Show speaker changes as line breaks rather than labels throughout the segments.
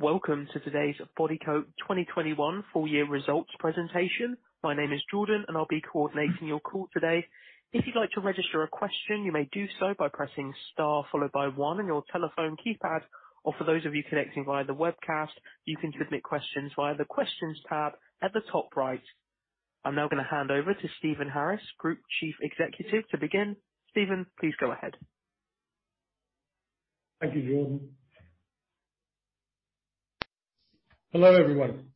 Welcome to today's Bodycote 2021 full-year results presentation. My name is Jordan, and I'll be coordinating your call today. If you'd like to register a question, you may do so by pressing star followed by 1 on your telephone keypad, or for those of you connecting via the webcast, you can submit questions via the questions tab at the top right. I'm now gonna hand over to Stephen Harris, Group Chief Executive. To begin, Stephen, please go ahead.
Thank you, Jordan. Hello, everyone.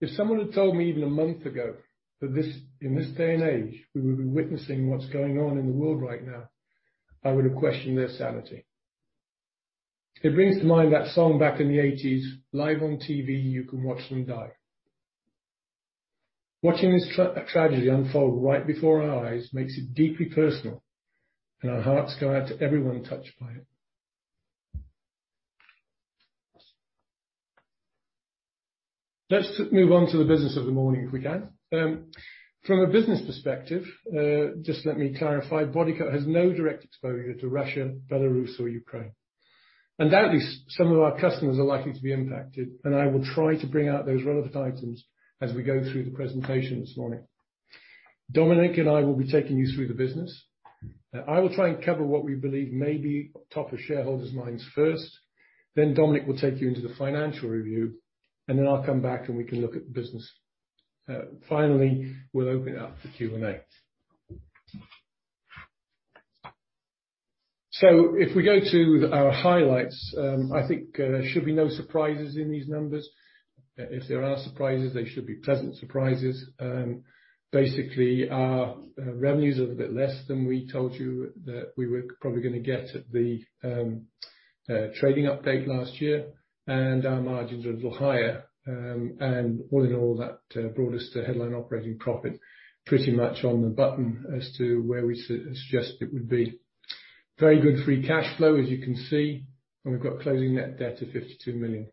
If someone had told me even a month ago that in this day and age, we would be witnessing what's going on in the world right now, I would have questioned their sanity. It brings to mind that song back in the '80s, "Live on TV, you can watch them die." Watching this tragedy unfold right before our eyes makes it deeply personal, and our hearts go out to everyone touched by it. Let's move on to the business of the morning, if we can. From a business perspective, just let me clarify, Bodycote has no direct exposure to Russia, Belarus, or Ukraine. Undoubtedly, some of our customers are likely to be impacted, and I will try to bring out those relevant items as we go through the presentation this morning. Dominique and I will be taking you through the business. I will try and cover what we believe may be top of shareholders' minds first, then Dominique will take you into the financial review, and then I'll come back and we can look at the business. Finally, we'll open it up for Q&A. So if we go to our highlights, I think, there should be no surprises in these numbers. If there are surprises, they should be pleasant surprises. Basically, our revenues are a bit less than we told you that we were probably gonna get at the trading update last year, and our margins are a little higher. And all in all, that brought us to headline operating profit, pretty much on the button as to where we suggested it would be. Very good free cash flow, as you can see, and we've got closing net debt of 52 million.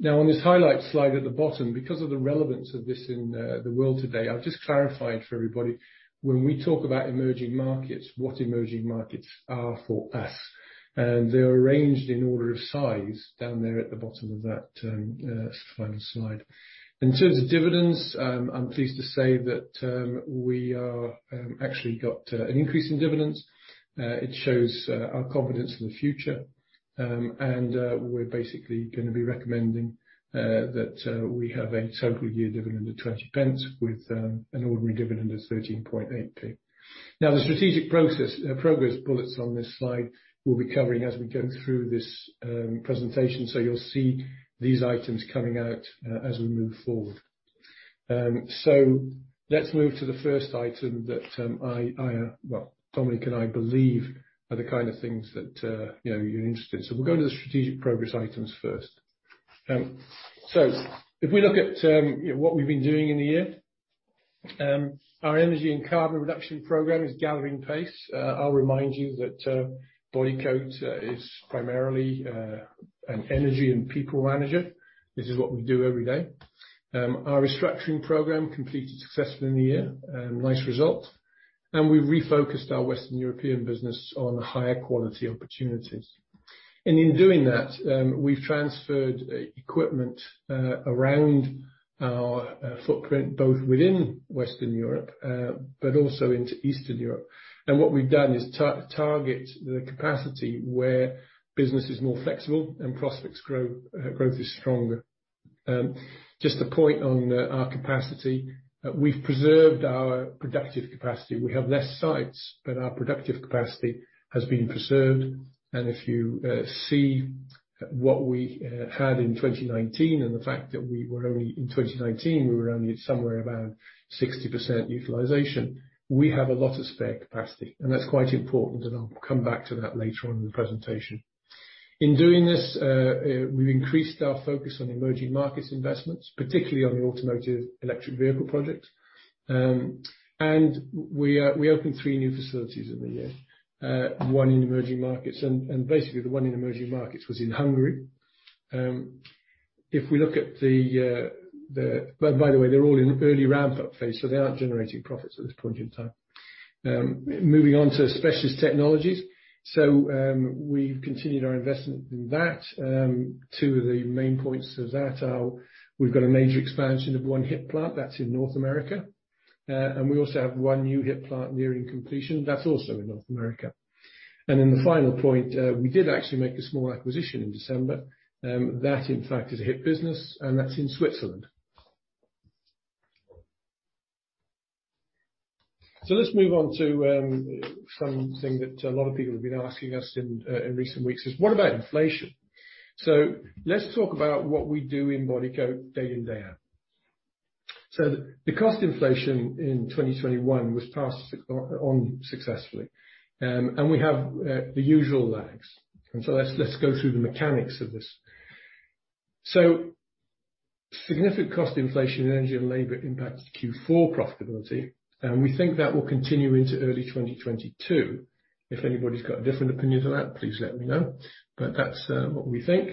Now, on this highlight slide at the bottom, because of the relevance of this in the world today, I've just clarified for everybody when we talk about emerging markets what emerging markets are for us. They're arranged in order of size down there at the bottom of that final slide. In terms of dividends, I'm pleased to say that we've actually got an increase in dividends. It shows our confidence in the future. We're basically gonna be recommending that we have a total year dividend of 20p with an ordinary dividend of 13.8p. Now, the strategic progress bullets on this slide we'll be covering as we go through this presentation, so you'll see these items coming out as we move forward. So let's move to the first item that I well, Dominique and I believe are the kind of things that, you know, you're interested in. So we'll go to the strategic progress items first. So if we look at, you know, what we've been doing in the year, our energy and carbon reduction program is gathering pace. I'll remind you that Bodycote is primarily an energy and people manager. This is what we do every day. Our restructuring program completed successfully in the year, nice result. And we've refocused our Western European business on higher quality opportunities. And in doing that, we've transferred equipment around our footprint both within Western Europe, but also into Eastern Europe. And what we've done is target the capacity where business is more flexible and prospects grow, growth is stronger. Just a point on our capacity, we've preserved our productive capacity. We have less sites, but our productive capacity has been preserved. And if you see what we had in 2019 and the fact that we were only in 2019, we were only at somewhere around 60% utilization. We have a lot of spare capacity, and that's quite important, and I'll come back to that later on in the presentation. In doing this, we've increased our focus on emerging markets investments, particularly on the automotive electric vehicle project. And we opened three new facilities in the year, one in emerging markets. And basically, the one in emerging markets was in Hungary. If we look at the and by the way, they're all in early ramp-up phase, so they aren't generating profits at this point in time. Moving on to Specialist Technologies, so we've continued our investment in that. Two of the main points of that are we've got a major expansion of one HIP plant. That's in North America. We also have one new HIP plant nearing completion. That's also in North America. Then the final point, we did actually make a small acquisition in December. That, in fact, is a HIP business, and that's in Switzerland. So let's move on to something that a lot of people have been asking us in recent weeks, is what about inflation? So let's talk about what we do in Bodycote day in, day out. So the cost inflation in 2021 was passed on successfully. We have the usual lags. So let's go through the mechanics of this. So significant cost inflation in energy and labor impacted Q4 profitability, and we think that will continue into early 2022. If anybody's got a different opinion than that, please let me know, but that's what we think.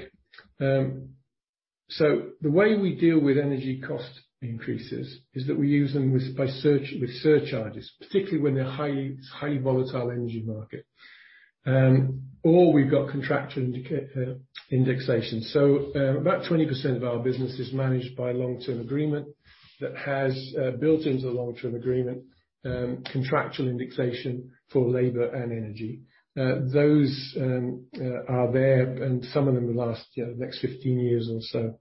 So the way we deal with energy cost increases is that we use surcharges, particularly when they're high, it's a highly volatile energy market. Or we've got contractual indexation. So, about 20% of our business is managed by long-term agreement that has, built into the long-term agreement, contractual indexation for labor and energy. Those are there, and some of them last, you know, the next 15 years or so.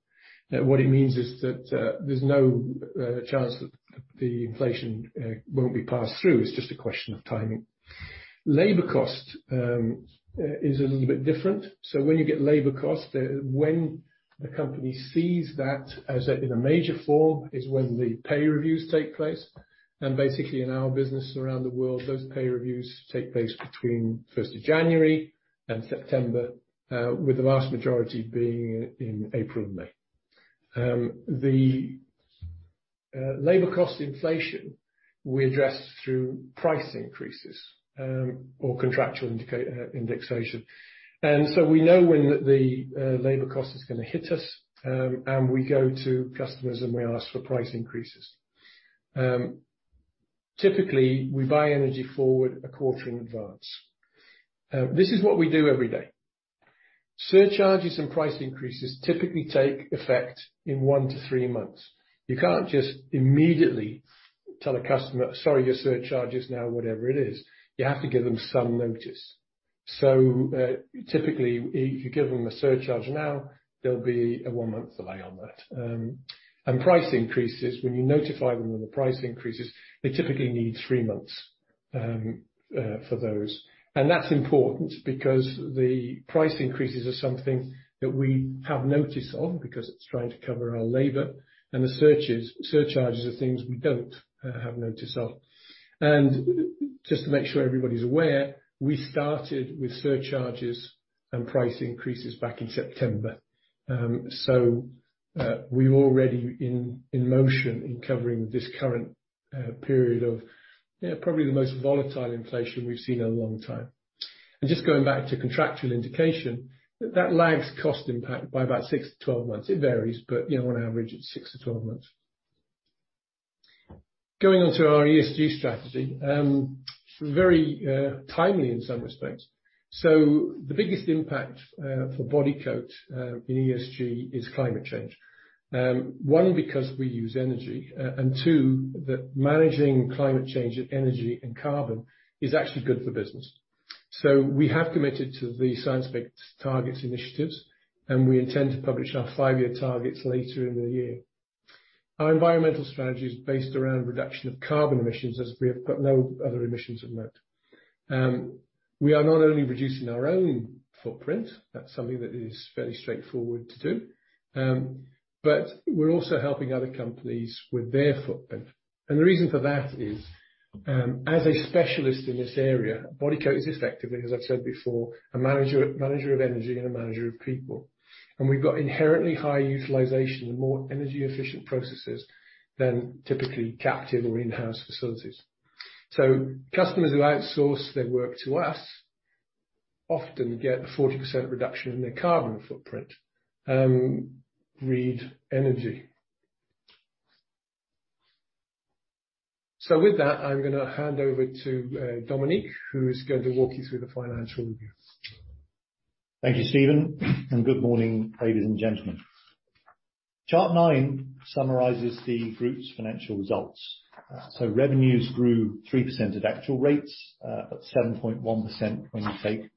What it means is that, there's no chance that the inflation won't be passed through. It's just a question of timing. Labor cost is a little bit different. So when you get labor cost, when the company sees that as a major form is when the pay reviews take place. Basically, in our business around the world, those pay reviews take place between 1st of January and September, with the vast majority being in April and May. The labor cost inflation, we address through price increases, or contractual indexation. So we know when the labor cost is gonna hit us, and we go to customers and we ask for price increases. Typically, we buy energy forward a quarter in advance. This is what we do every day. Surcharges and price increases typically take effect in 1-3 months. You can't just immediately tell a customer, "Sorry, your surcharge is now whatever it is." You have to give them some notice. So, typically, if you give them a surcharge now, there'll be a 1-month delay on that, and price increases, when you notify them of the price increases, they typically need 3 months for those. That's important because the price increases are something that we have notice of because it's trying to cover our labor, and the energy surcharges are things we don't have notice of. Just to make sure everybody's aware, we started with surcharges and price increases back in September. We're already in motion in covering this current period of, you know, probably the most volatile inflation we've seen in a long time. Just going back to contractual indexation, that lags cost impact by about 6-12 months. It varies, but, you know, on average, it's 6-12 months. Going on to our ESG strategy, very timely in some respects. The biggest impact for Bodycote in ESG is climate change. One, because we use energy, and two, that managing climate change at energy and carbon is actually good for business. So we have committed to the Science Based Targets initiative, and we intend to publish our 5-year targets later in the year. Our environmental strategy is based around reduction of carbon emissions as we have got no other emissions of note. We are not only reducing our own footprint. That's something that is fairly straightforward to do. But we're also helping other companies with their footprint. And the reason for that is, as a specialist in this area, Bodycote is effectively, as I've said before, a manager manager of energy and a manager of people. And we've got inherently higher utilization and more energy-efficient processes than typically captive or in-house facilities. So customers who outsource their work to us often get a 40% reduction in their carbon footprint, read energy. So with that, I'm gonna hand over to, Dominique, who's going to walk you through the financial review.
Thank you, Stephen, and good morning, ladies and gentlemen. Chart 9 summarizes the group's financial results. Revenues grew 3% at actual rates, at 7.1% when you take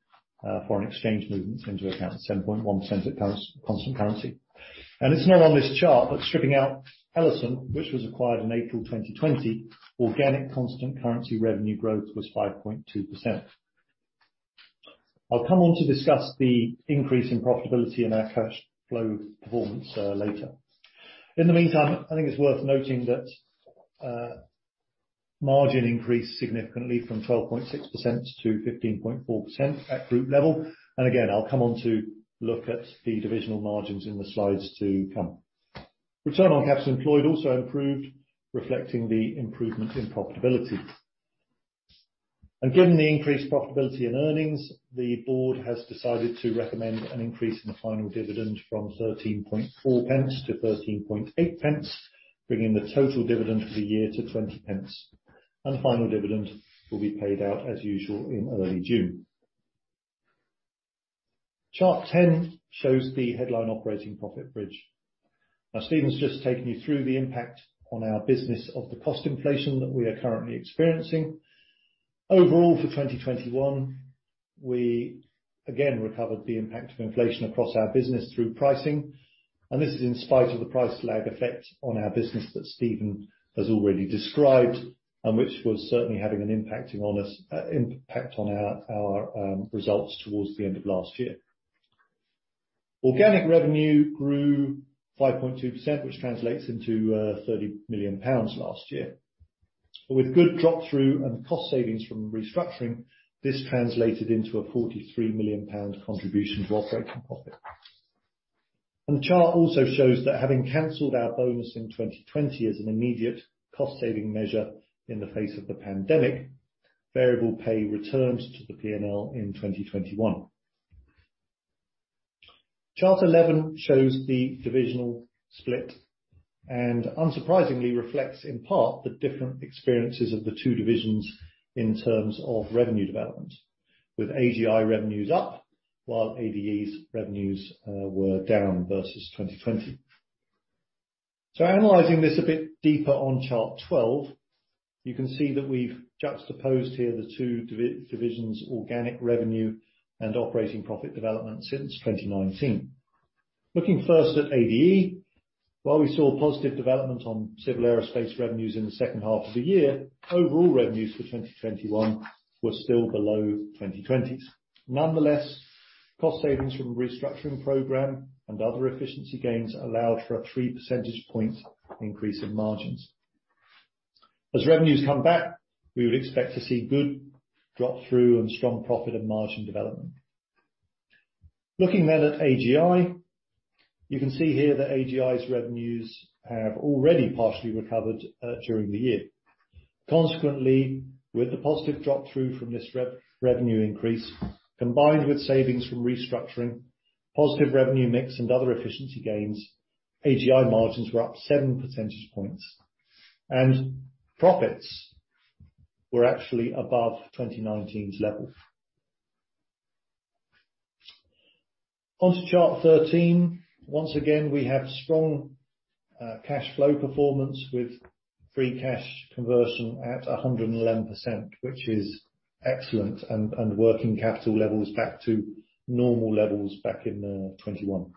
foreign exchange movements into account, 7.1% at constant currency. It's not on this chart, but stripping out Ellison, which was acquired in April 2020, organic constant currency revenue growth was 5.2%. I'll come on to discuss the increase in profitability and our cash flow performance, later. In the meantime, I think it's worth noting that margin increased significantly from 12.6% to 15.4% at group level. Again, I'll come on to look at the divisional margins in the slides to come. Return on capital employed also improved, reflecting the improvement in profitability. Given the increased profitability in earnings, the board has decided to recommend an increase in the final dividend from 13.4 pence to 13.8 pence, bringing the total dividend for the year to 20 pence. The final dividend will be paid out as usual in early June. Chart 10 shows the headline operating profit bridge. Now, Stephen's just taken you through the impact on our business of the cost inflation that we are currently experiencing. Overall, for 2021, we again recovered the impact of inflation across our business through pricing. This is in spite of the price lag effect on our business that Stephen has already described and which was certainly having an impact on our results towards the end of last year. Organic revenue grew 5.2%, which translates into 30 million pounds last year. But with good drop-through and cost savings from restructuring, this translated into a 43 million pound contribution to operating profit. The chart also shows that having cancelled our bonus in 2020 as an immediate cost saving measure in the face of the pandemic, variable pay returned to the P&L in 2021. Chart 11 shows the divisional split and, unsurprisingly, reflects in part the different experiences of the two divisions in terms of revenue development, with AGI revenues up while ADE's revenues were down versus 2020. Analyzing this a bit deeper on Chart 12, you can see that we've juxtaposed here the two divisions, organic revenue and operating profit development, since 2019. Looking first at ADE, while we saw positive development on civil aerospace revenues in the second half of the year, overall revenues for 2021 were still below 2020's. Nonetheless, cost savings from the Restructuring Program and other efficiency gains allowed for a 3 percentage point increase in margins. As revenues come back, we would expect to see good drop-through and strong profit and margin development. Looking then at AGI, you can see here that AGI's revenues have already partially recovered during the year. Consequently, with the positive drop-through from this revenue increase, combined with savings from restructuring, positive revenue mix, and other efficiency gains, AGI margins were up 7 percentage points. Profits were actually above 2019's level. Onto Chart 13. Once again, we have strong cash flow performance with free cash conversion at 111%, which is excellent and working capital levels back to normal levels back in 2021.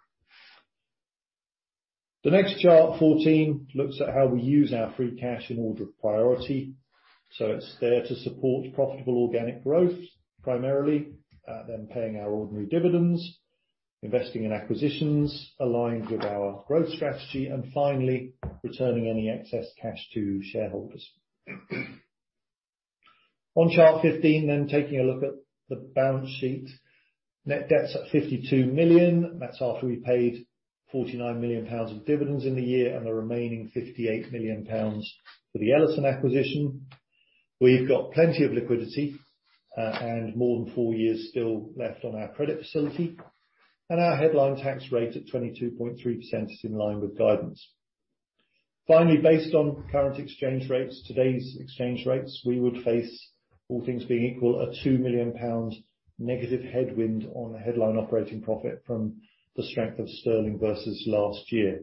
The next chart, 14, looks at how we use our free cash in order of priority. So it's there to support profitable organic growth primarily, then paying our ordinary dividends, investing in acquisitions aligned with our growth strategy, and finally, returning any excess cash to shareholders. On Chart 15, then taking a look at the balance sheet, net debt's at 52 million. That's after we paid 49 million pounds of dividends in the year and the remaining 58 million pounds for the Ellison acquisition. We've got plenty of liquidity, and more than four years still left on our credit facility. Our headline tax rate at 22.3% is in line with guidance. Finally, based on current exchange rates, today's exchange rates, we would face, all things being equal, a 2 million pounds negative headwind on headline operating profit from the strength of sterling versus last year,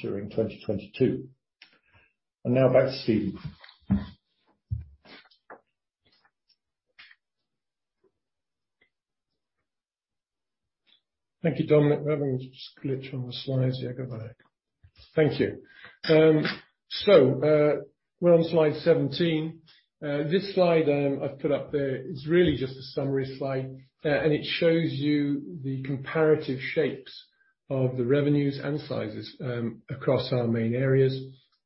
during 2022. Now back to Stephen.
Thank you, Dominique. I haven't just glitched on the slides. Yeah, go back. Thank you. So, we're on slide 17. This slide I've put up there is really just a summary slide, and it shows you the comparative shapes of the revenues and sizes across our main areas.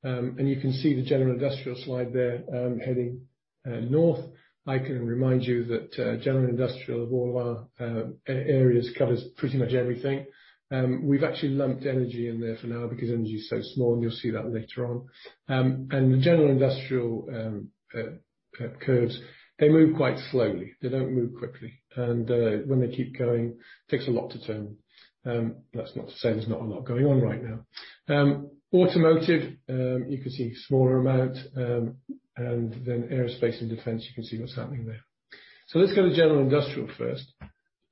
And you can see the general industrial slide there, heading north. I can remind you that general industrial of all of our areas covers pretty much everything. We've actually lumped energy in there for now because energy's so small, and you'll see that later on. And the general industrial curves, they move quite slowly. They don't move quickly. And when they keep going, it takes a lot to turn. That's not to say there's not a lot going on right now. Automotive, you can see smaller amount. And then aerospace and defense, you can see what's happening there. So let's go to general industrial first.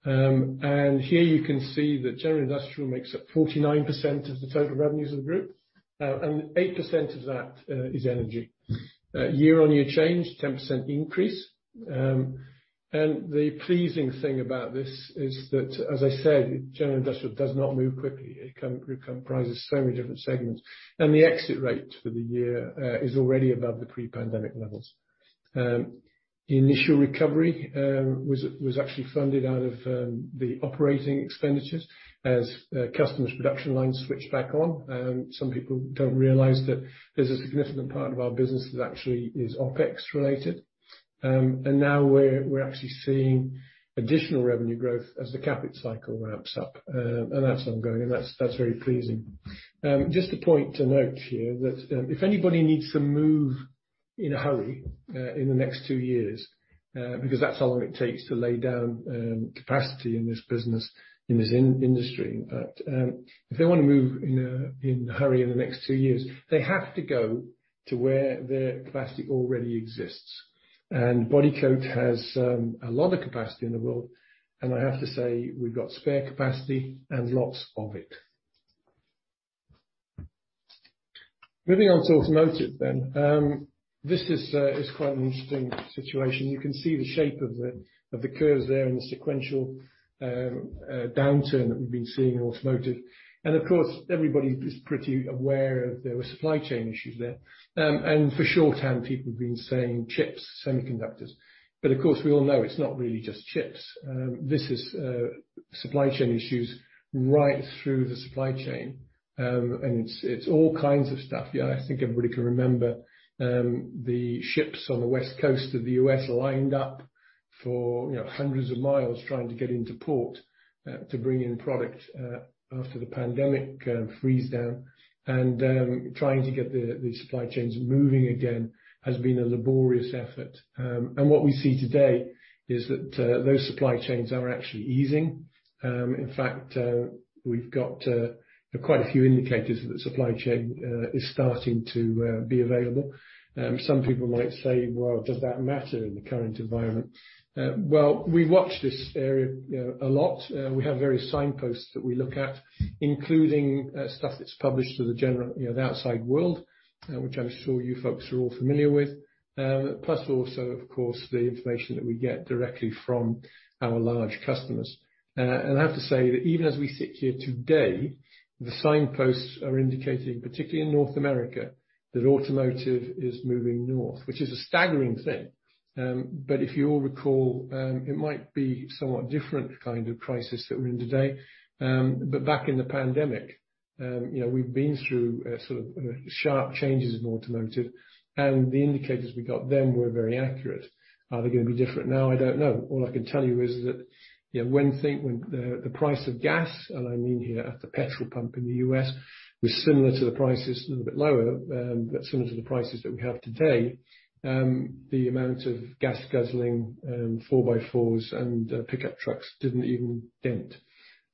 Here you can see that general industrial makes up 49% of the total revenues of the group. And 8% of that is energy. Year-on-year change, 10% increase. And the pleasing thing about this is that, as I said, general industrial does not move quickly. It comprises so many different segments. And the exit rate for the year is already above the pre-pandemic levels. The initial recovery was actually funded out of the operating expenditures as customers' production lines switched back on. Some people don't realize that there's a significant part of our business that actually is OPEX-related. And now we're actually seeing additional revenue growth as the capital cycle ramps up. And that's ongoing. And that's very pleasing. Just a point to note here that if anybody needs to move in a hurry in the next 2 years, because that's how long it takes to lay down capacity in this business in this industry. In fact, if they want to move in a hurry in the next 2 years, they have to go to where their capacity already exists. And Bodycote has a lot of capacity in the world. And I have to say, we've got spare capacity and lots of it. Moving on to automotive then. This is quite an interesting situation. You can see the shape of the curves there in the sequential downturn that we've been seeing in automotive. And of course, everybody's pretty aware of. There were supply chain issues there. And for shorthand, people have been saying chips, semiconductors. But of course, we all know it's not really just chips. This is supply chain issues right through the supply chain, and it's all kinds of stuff. Yeah, I think everybody can remember the ships on the west coast of the U.S. lined up for, you know, hundreds of miles trying to get into port to bring in product after the pandemic freeze down. Trying to get the supply chains moving again has been a laborious effort. And what we see today is that those supply chains are actually easing. In fact, we've got quite a few indicators that the supply chain is starting to be available. Some people might say, "Well, does that matter in the current environment?" Well, we watch this area, you know, a lot. We have various signposts that we look at, including stuff that's published to the general, you know, the outside world, which I'm sure you folks are all familiar with, plus also, of course, the information that we get directly from our large customers. And I have to say that even as we sit here today, the signposts are indicating, particularly in North America, that automotive is moving north, which is a staggering thing. But if you all recall, it might be somewhat different kind of crisis that we're in today. But back in the pandemic, you know, we've been through, sort of, sharp changes in automotive. And the indicators we got then were very accurate. Are they going to be different now? I don't know. All I can tell you is that, you know, when the price of gas - and I mean here at the petrol pump in the US - was similar to the prices a little bit lower, but similar to the prices that we have today, the amount of gas guzzling four-by-fours and pickup trucks didn't even dent.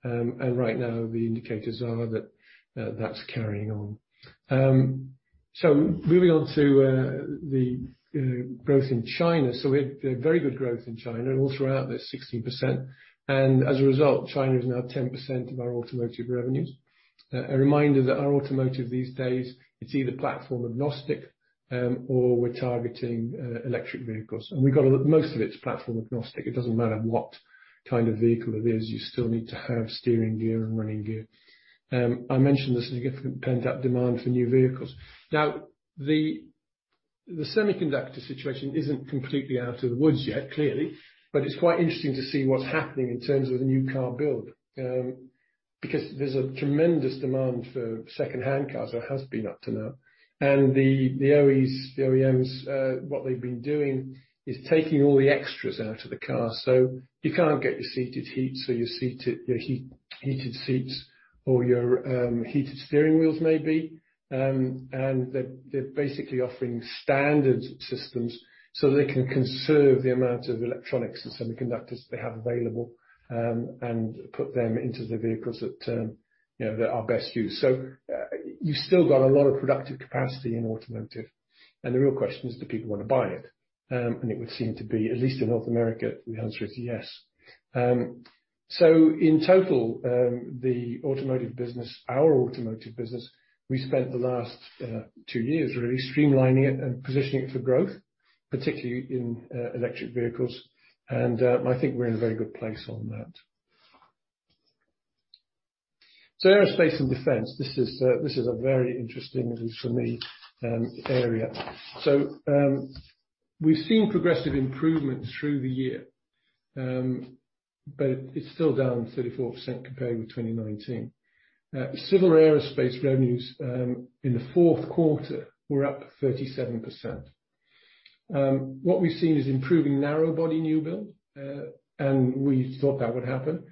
Right now, the indicators are that that's carrying on. So moving on to the growth in China. So we had very good growth in China all throughout there, 16%. And as a result, China is now 10% of our automotive revenues. A reminder that our automotive these days, it's either platform agnostic, or we're targeting electric vehicles. And we've got most of it's platform agnostic. It doesn't matter what kind of vehicle it is. You still need to have steering gear and running gear. I mentioned the significant pent-up demand for new vehicles. Now, the semiconductor situation isn't completely out of the woods yet, clearly. But it's quite interesting to see what's happening in terms of the new car build, because there's a tremendous demand for second-hand cars or has been up to now. And the OEs, the OEMs, what they've been doing is taking all the extras out of the car. So you can't get your seat heat, so your heated seats or your heated steering wheels maybe. And they're basically offering standard systems so that they can conserve the amount of electronics and semiconductors that they have available, and put them into the vehicles that, you know, that are best used. So, you've still got a lot of productive capacity in automotive. And the real question is, do people want to buy it? It would seem to be, at least in North America, the answer is yes. So in total, the automotive business, our automotive business, we spent the last 2 years really streamlining it and positioning it for growth, particularly in electric vehicles. And I think we're in a very good place on that. So aerospace and defense, this is a very interesting, at least for me, area. So we've seen progressive improvements through the year. But it's still down 34% compared with 2019. Civil aerospace revenues in the fourth quarter were up 37%. What we've seen is improving narrowbody new build, and we thought that would happen.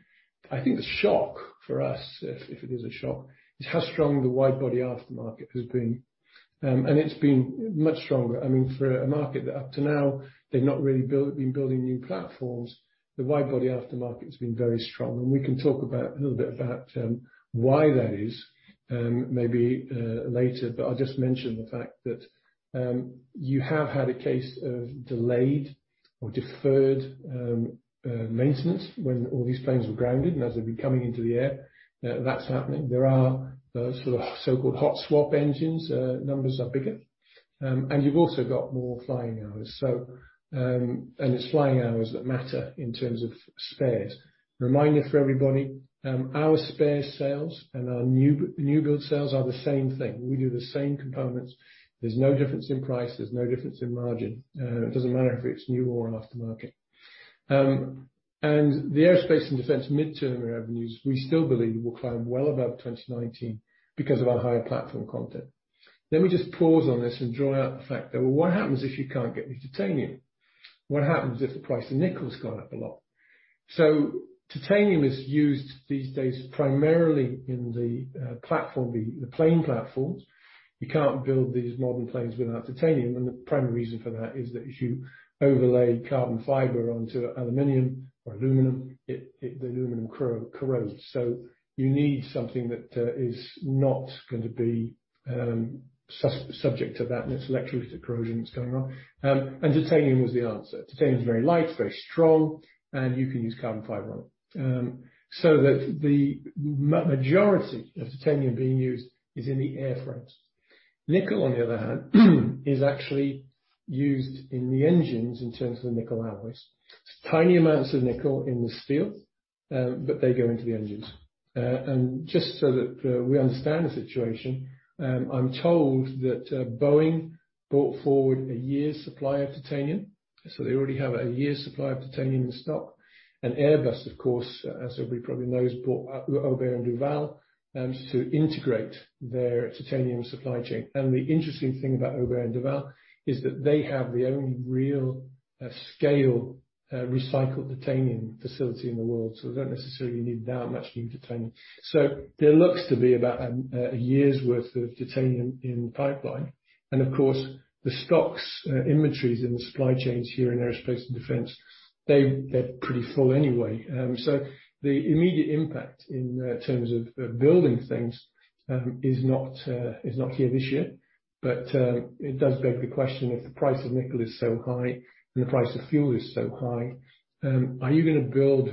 I think the shock for us, if it is a shock, is how strong the widebody aftermarket has been. And it's been much stronger. I mean, for a market that up to now they've not really been building new platforms, the widebody aftermarket's been very strong. We can talk a little bit about why that is, maybe later. But I'll just mention the fact that you have had a case of delayed or deferred maintenance when all these planes were grounded and as they've been coming into the air. That's happening. There are sort of so-called hot-swap engines. Numbers are bigger. And you've also got more flying hours. So it's flying hours that matter in terms of spares. Reminder for everybody, our spare sales and our new-build sales are the same thing. We do the same components. There's no difference in price. There's no difference in margin. It doesn't matter if it's new or aftermarket. And the aerospace and defense mid-term revenues, we still believe will climb well above 2019 because of our higher platform content. Let me just pause on this and draw out the fact there. Well, what happens if you can't get new titanium? What happens if the price of nickel's gone up a lot? So titanium is used these days primarily in the platform, the plane platforms. You can't build these modern planes without titanium. And the primary reason for that is that if you overlay carbon fiber onto aluminum or aluminum, it the aluminum corrodes. So you need something that is not going to be subject to that. And it's electrolytic corrosion that's going on. And titanium was the answer. Titanium's very light, very strong, and you can use carbon fiber on it. So that the majority of titanium being used is in the airframes. Nickel, on the other hand, is actually used in the engines in terms of the nickel alloys. It's tiny amounts of nickel in the steel, but they go into the engines. Just so that we understand the situation, I'm told that Boeing brought forward a year's supply of titanium. So they already have a year's supply of titanium in stock. Airbus, of course, as everybody probably knows, brought Aubert & Duval to integrate their titanium supply chain. The interesting thing about Aubert & Duval is that they have the only real scale recycled titanium facility in the world. So they don't necessarily need that much new titanium. So there looks to be about a year's worth of titanium in the pipeline. Of course, the stocks, inventories in the supply chains here in aerospace and defense, they, they're pretty full anyway. So the immediate impact, in terms of building things, is not, is not here this year. But it does beg the question if the price of nickel is so high and the price of fuel is so high, are you going to build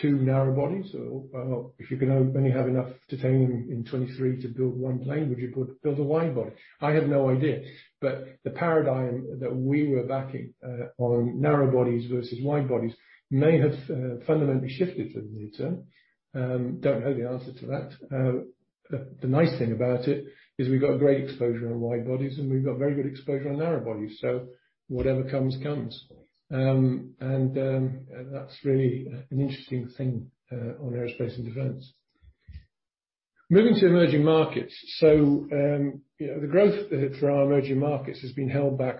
two narrowbodies? Or, or if you can only have enough titanium in 2023 to build one plane, would you build a widebody? I have no idea. But the paradigm that we were backing, on narrowbodies versus widebodies may have fundamentally shifted for the near term. Don't know the answer to that. The nice thing about it is we've got great exposure on widebodies, and we've got very good exposure on narrowbodies. So whatever comes, comes. That's really an interesting thing on aerospace and defence. Moving to Emerging Markets. So, you know, the growth for our Emerging Markets has been held back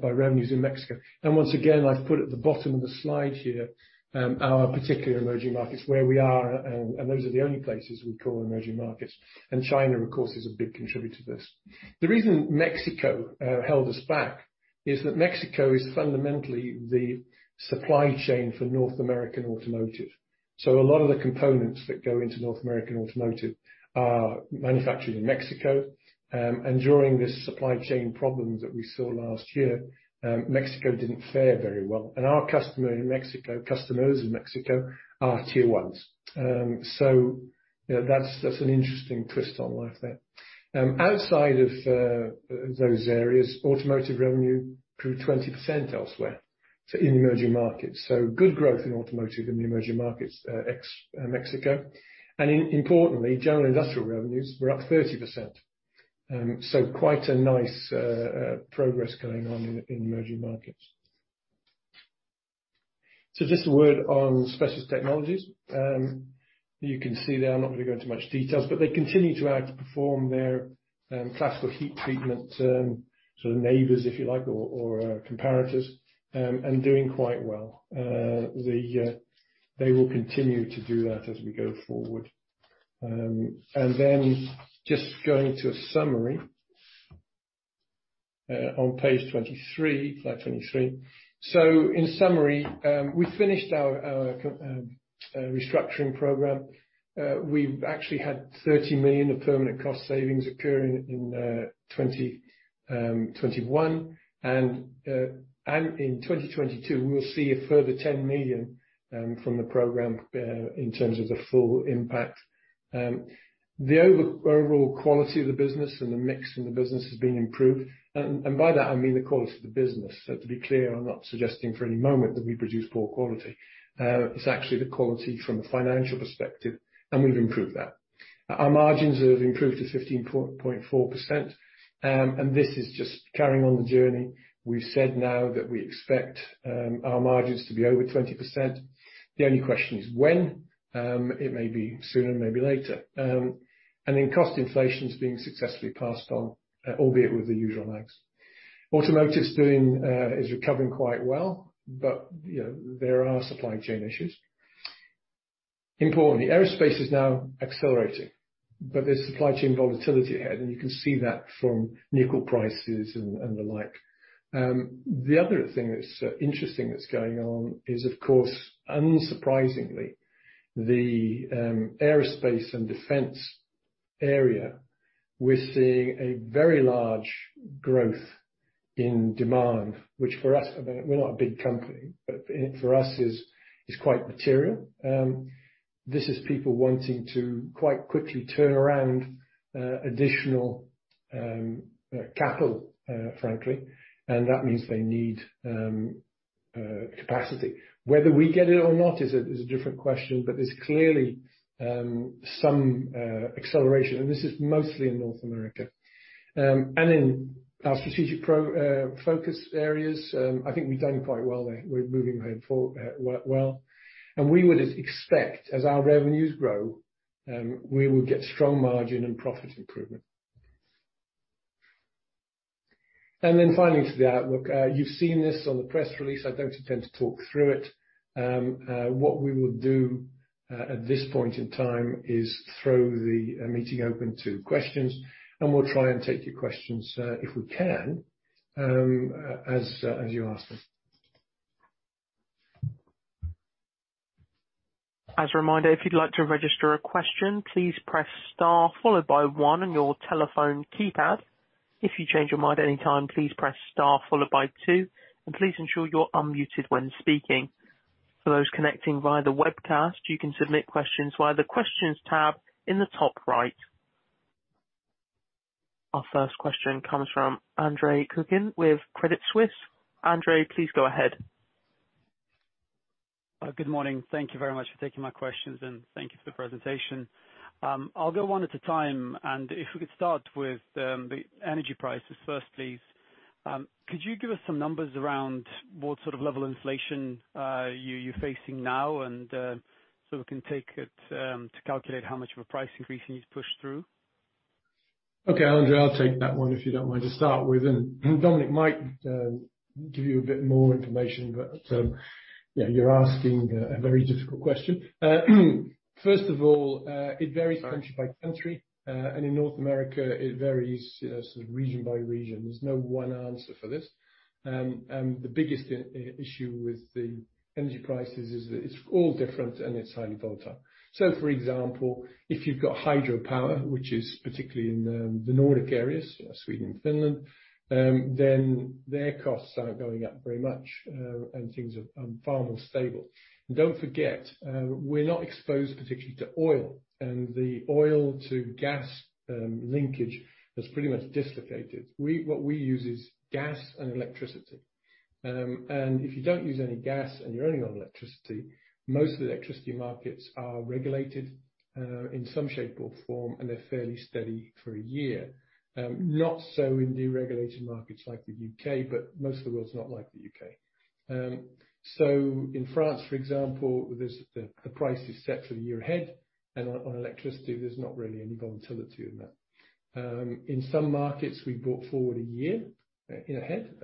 by revenues in Mexico. And once again, I've put at the bottom of the slide here, our particular emerging markets, where we are. Those are the only places we call emerging markets. And China, of course, is a big contributor to this. The reason Mexico held us back is that Mexico is fundamentally the supply chain for North American automotive. So a lot of the components that go into North American automotive are manufactured in Mexico. And during this supply chain problem that we saw last year, Mexico didn't fare very well. And our customer in Mexico, customers in Mexico, are tier ones. So, you know, that's an interesting twist on life there. Outside of those areas, automotive revenue grew 20% elsewhere. So in emerging markets. So good growth in automotive in the emerging markets, ex-Mexico. And importantly, general industrial revenues were up 30%. So quite a nice progress going on in emerging markets. So just a word on Specialist Technologies. You can see they are not going to go into much details, but they continue to outperform their Classical Heat Treatment sort of neighbours, if you like, or comparators, and doing quite well. They will continue to do that as we go forward. Then just going to a summary on page 23, slide 23. So in summary, we finished our restructuring program. We've actually had 30 million of permanent cost savings occurring in 2021. And in 2022, we'll see a further 10 million from the program, in terms of the full impact. The overall quality of the business and the mix in the business has been improved. And by that, I mean the quality of the business. So to be clear, I'm not suggesting for any moment that we produce poor quality. It's actually the quality from a financial perspective. And we've improved that. Our margins have improved to 15.4%. And this is just carrying on the journey. We've said now that we expect our margins to be over 20%. The only question is when. It may be sooner, maybe later. And then cost inflation's being successfully passed on, albeit with the usual lags. Automotive's is recovering quite well. But, you know, there are supply chain issues. Importantly, aerospace is now accelerating. But there's supply chain volatility ahead. And you can see that from nickel prices and the like. The other thing that's interesting that's going on is, of course, unsurprisingly, the aerospace and defense area. We're seeing a very large growth in demand, which for us, I mean, we're not a big company, but for us is quite material. This is people wanting to quite quickly turn around additional capital, frankly. And that means they need capacity. Whether we get it or not is a different question. But there's clearly some acceleration. And this is mostly in North America, and in our strategic priority focus areas. I think we've done quite well there. We're moving ahead, well. And we would expect, as our revenues grow, we would get strong margin and profit improvement. And then finally, to the outlook, you've seen this on the press release. I don't intend to talk through it. What we will do, at this point in time, is throw the meeting open to questions. We'll try and take your questions, if we can, as, as you ask them.
As a reminder, if you'd like to register a question, please press star followed by one on your telephone keypad. If you change your mind at any time, please press star followed by two. Please ensure you're unmuted when speaking. For those connecting via the webcast, you can submit questions via the questions tab in the top right. Our first question comes from Andre Kukhnin with Credit Suisse. Andre, please go ahead.
Good morning. Thank you very much for taking my questions. Thank you for the presentation. I'll go one at a time. If we could start with the energy prices first, please. Could you give us some numbers around what sort of level of inflation you're facing now? And so we can take it to calculate how much of a price increase you need to push through.
Okay, Andre. I'll take that one if you don't mind to start with. And Dominique might give you a bit more information. But yeah, you're asking a very difficult question. First of all, it varies country by country. And in North America, it varies, you know, sort of region by region. There's no one answer for this. And the biggest issue with the energy prices is that it's all different and it's highly volatile. So for example, if you've got hydropower, which is particularly in the Nordic areas, you know, Sweden and Finland, then their costs aren't going up very much. And things are far more stable. Don't forget, we're not exposed particularly to oil. The oil-to-gas linkage has pretty much dislocated. What we use is gas and electricity. And if you don't use any gas and you're only on electricity, most of the electricity markets are regulated, in some shape or form. And they're fairly steady for a year. Not so in deregulated markets like the U.K. But most of the world's not like the U.K. So in France, for example, there's the price is set for the year ahead. And on electricity, there's not really any volatility in that. In some markets, we brought forward a year, in ahead.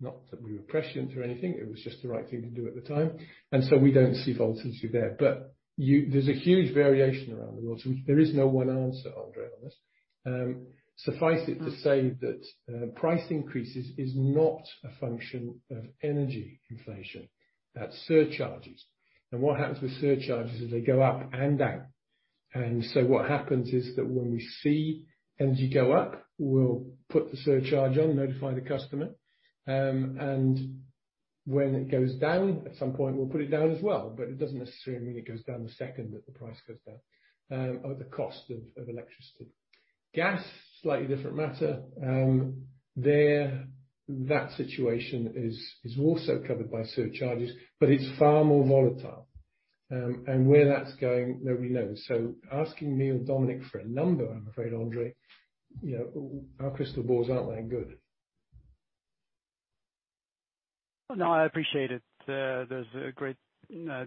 Not that we were prescient or anything. It was just the right thing to do at the time. And so we don't see volatility there. But there's a huge variation around the world. So, there is no one answer, Andre, on this. Suffice it to say that price increases is not a function of energy inflation. That's surcharges. And what happens with surcharges is they go up and down. And so what happens is that when we see energy go up, we'll put the surcharge on, notify the customer. And when it goes down at some point, we'll put it down as well. But it doesn't necessarily mean it goes down the second that the price goes down, or the cost of electricity. Gas is a slightly different matter. That situation is also covered by surcharges. But it's far more volatile. And where that's going, nobody knows. So asking me or Dominique for a number, I'm afraid, Andre, you know, our crystal balls aren't that good.
No, I appreciate it. There's a great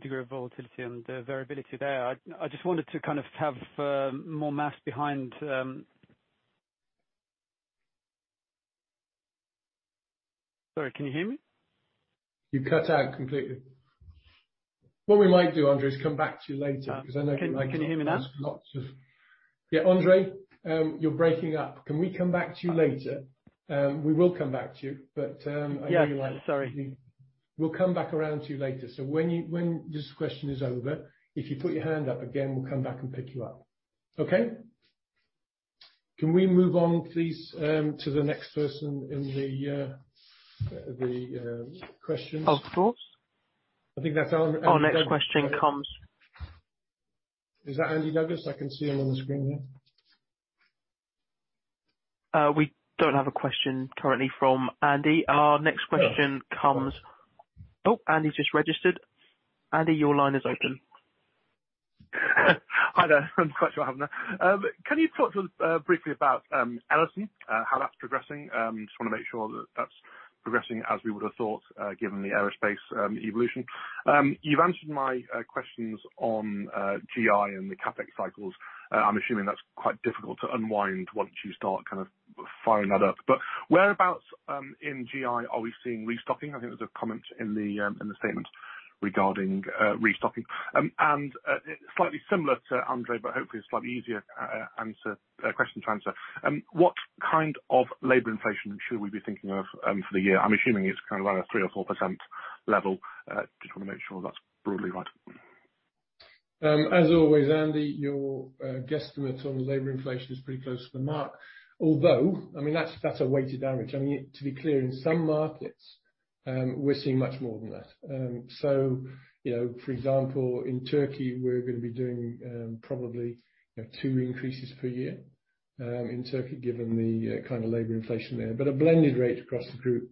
degree of volatility and variability there. I just wanted to kind of have more mass behind. Sorry, can you hear me?
You cut out completely. What we might do, Andre, is come back to you later. Because I know you might come back to ask lots of yeah, Andre, you're breaking up.
Can we come back to you later?
We will come back to you. But, I really like you we'll come back around to you later. So when this question is over, if you put your hand up again, we'll come back and pick you up. Okay? Can we move on, please, to the next person in the questions? Of course. I think that's our next question. Our next question comes. Is that Andy Douglas? I can see him on the screen here. We don't have a question currently from Andy. Our next question comes. Oh, Andy's just registered.
Andy, your line is open. Hi there. I'm quite sure I haven't there. Can you talk to us briefly about Ellison, how that's progressing? Just want to make sure that that's progressing as we would have thought, given the aerospace evolution. You've answered my questions on GI and the CapEx cycles. I'm assuming that's quite difficult to unwind once you start kind of firing that up. But whereabouts in GI are we seeing restocking? I think there's a comment in the in the statement regarding restocking. And it's slightly similar to Andre, but hopefully it's slightly easier answer question to answer. What kind of labor inflation should we be thinking of for the year? I'm assuming it's kind of around a 3% or 4% level. Just want to make sure that's broadly right.
As always, Andy, your guesstimate on labor inflation is pretty close to the mark. Although, I mean, that's a weighted average. I mean, to be clear, in some markets, we're seeing much more than that. So, you know, for example, in Turkey, we're going to be doing, probably, you know, two increases per year, in Turkey, given the, kind of labour inflation there. But a blended rate across the group,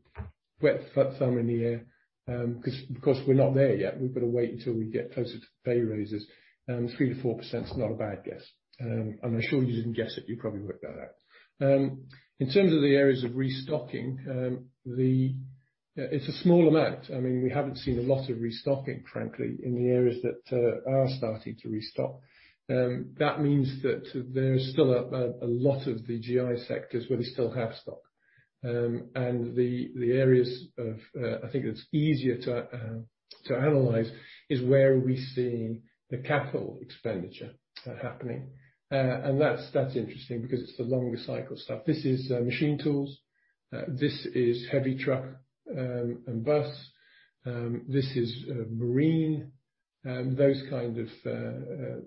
wet foot thumb in the air, because we're not there yet. We've got to wait until we get closer to pay raises. 3%-4% is not a bad guess. And I'm sure you didn't guess it. You probably worked out that. In terms of the areas of restocking, it's a small amount. I mean, we haven't seen a lot of restocking, frankly, in the areas that are starting to restock. That means that there's still a lot of the GI sectors where they still have stock. The areas, I think that's easier to analyze is where we see the capital expenditure happening. That's interesting because it's the longer cycle stuff. This is machine tools. This is heavy truck and bus. This is marine. Those kind of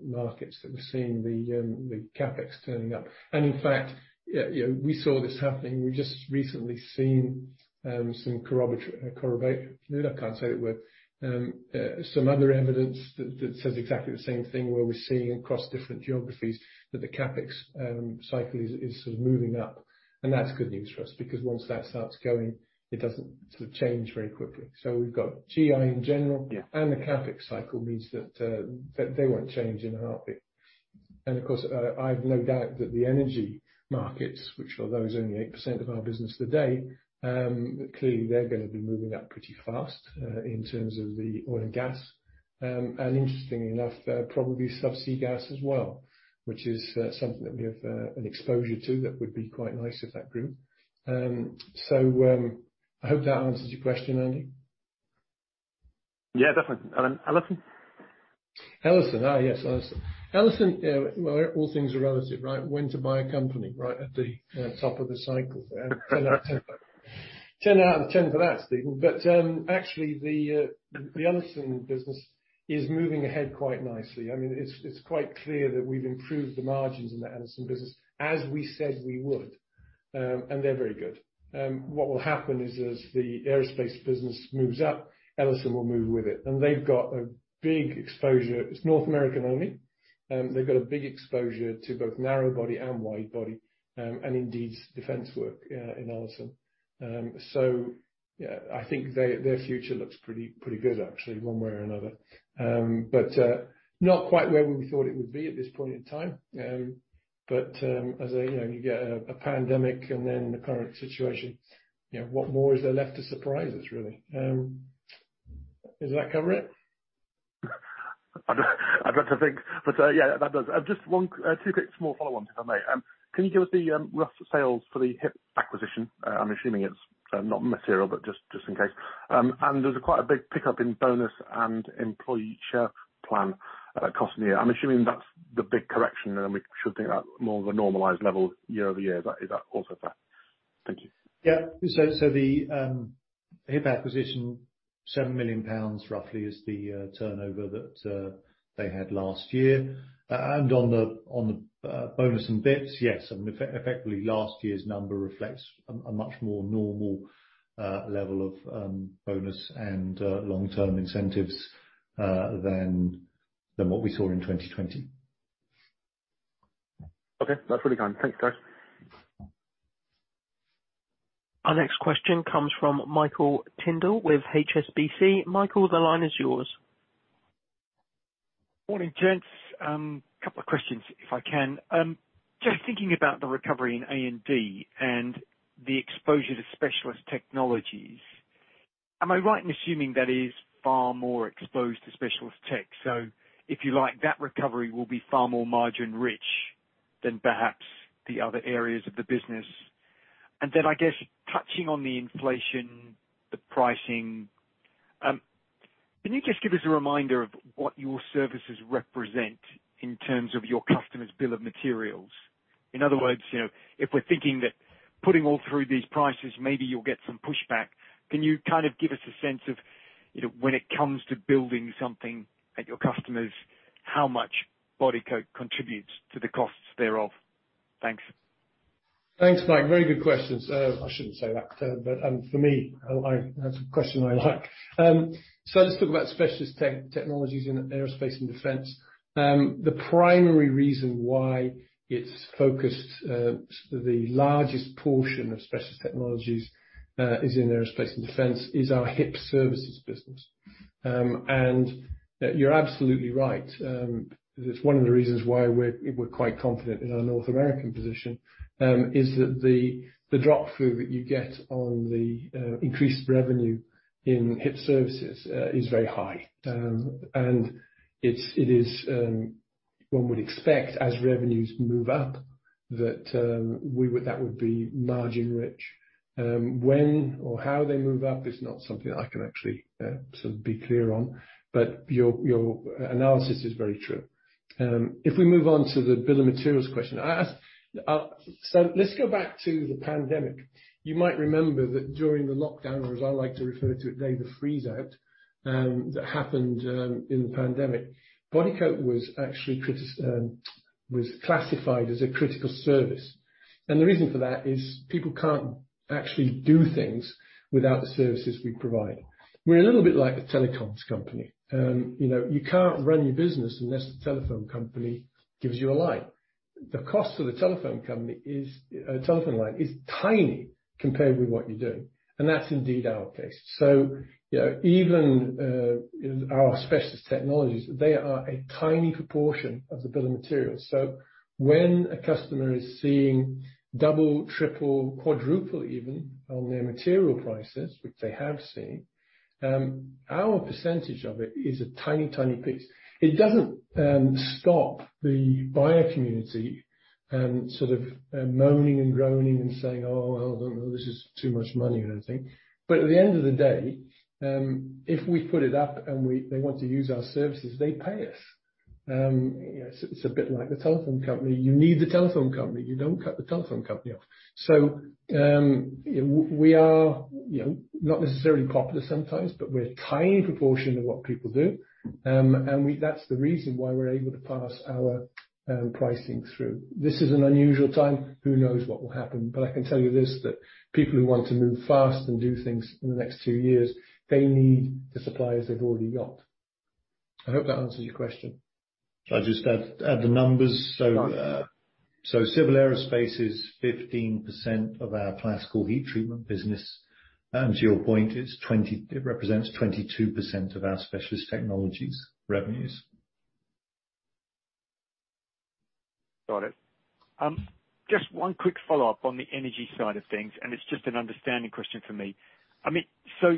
markets that we're seeing the CapEx turning up. And in fact, you know, we saw this happening. We've just recently seen some corroboratory. I can't say the word. Some other evidence that says exactly the same thing where we're seeing across different geographies that the CapEx cycle is sort of moving up. And that's good news for us. Because once that starts going, it doesn't sort of change very quickly. So we've got GI in general. Yeah. And the CapEx cycle means that they won't change in a heartbeat. Of course, I've no doubt that the energy markets, which are those only 8% of our business today, clearly, they're going to be moving up pretty fast, in terms of the oil and gas. Interestingly enough, probably subsea gas as well, which is something that we have an exposure to that would be quite nice if that grew. So, I hope that answers your question, Andy.
Yeah, definitely. And Ellison?
Ellison, yes, Ellison. Ellison, well, all things are relative, right? When to buy a company, right, at the top of the cycle. 10 out of 10 for that, Stephen. But actually, the Ellison business is moving ahead quite nicely. I mean, it's quite clear that we've improved the margins in the Ellison business as we said we would. And they're very good. What will happen is, as the aerospace business moves up, Ellison will move with it. And they've got a big exposure. It's North American only. They've got a big exposure to both narrowbody and widebody, and indeed defense work, in Ellison. So, yeah, I think their, their future looks pretty, pretty good, actually, one way or another. But, not quite where we thought it would be at this point in time. But, as you know, you get a, a pandemic and then the current situation, you know, what more is there left to surprise us, really? Does that cover it? I'd like to think. But, yeah, that does. Just one, two quick small follow-ons, if I may. Can you give us the, rough sales for the HIP acquisition? I'm assuming it's, not material, but just, just in case. And there's quite a big pickup in bonus and employee share plan costs in the year. I'm assuming that's the big correction. Then we should think about more of a normalized level year-over-year. Is that also fair?
Thank you.
Yeah. So the HIP acquisition, 7 million pounds, roughly, is the turnover that they had last year. And on the bonus and bits, yes. I mean, effectively, last year's number reflects a much more normal level of bonus and long-term incentives than what we saw in 2020.
Okay. That's really kind. Thanks, guys.
Our next question comes from Michael Tyndall with HSBC. Michael, the line is yours.
Morning, gents. Couple of questions, if I can. Just thinking about the recovery in A&D and the exposure to specialist technologies, am I right in assuming that it is far more exposed to specialist tech? So if you like, that recovery will be far more margin-rich than perhaps the other areas of the business. And then, I guess, touching on the inflation, the pricing, can you just give us a reminder of what your services represent in terms of your customer's bill of materials? In other words, you know, if we're thinking that putting all through these prices, maybe you'll get some pushback, can you kind of give us a sense of, you know, when it comes to building something at your customers, how much Bodycote contributes to the costs thereof? Thanks.
Thanks, Mike. Very good questions. I shouldn't say that term. But, for me, I, that's a question I like. So let's talk about Specialist Technologies in aerospace and defense. The primary reason why it's focused, the largest portion of Specialist Technologies, is in aerospace and defense is our HIP services business. You're absolutely right. It's one of the reasons why we're quite confident in our North American position, is that the dropthrough that you get on the increased revenue in HIP services is very high. And it is, one would expect, as revenues move up, that we would, that would be margin-rich. When or how they move up is not something that I can actually sort of be clear on. But your analysis is very true. If we move on to the bill of materials question, I so let's go back to the pandemic. You might remember that during the lockdown, or as I like to refer to it, the freezeout that happened in the pandemic, Bodycote was actually critical, was classified as a critical service. And the reason for that is people can't actually do things without the services we provide. We're a little bit like a telecoms company. You know, you can't run your business unless the telephone company gives you a line. The cost for the telephone company is a telephone line is tiny compared with what you're doing. And that's indeed our case. So, you know, even, you know, our specialist technologies, they are a tiny proportion of the bill of materials. So when a customer is seeing double, triple, quadruple even on their material prices, which they have seen, our percentage of it is a tiny, tiny piece. It doesn't stop the buyer community, sort of, moaning and groaning and saying, "Oh, well, I don't know. This is too much money," or anything. But at the end of the day, if we put it up and they want to use our services, they pay us. You know, it's, it's a bit like the telephone company. You need the telephone company. You don't cut the telephone company off. So, you know, we are, you know, not necessarily popular sometimes, but we're a tiny proportion of what people do. And that's the reason why we're able to pass our pricing through. This is an unusual time. Who knows what will happen? But I can tell you this, that people who want to move fast and do things in the next two years, they need the suppliers they've already got. I hope that answers your question. I'll just add the numbers. So, civil aerospace is 15% of our classical heat treatment business. And to your point, it represents 22% of our specialist technologies revenues.
Got it. Just one quick follow-up on the energy side of things. And it's just an understanding question for me. I mean, so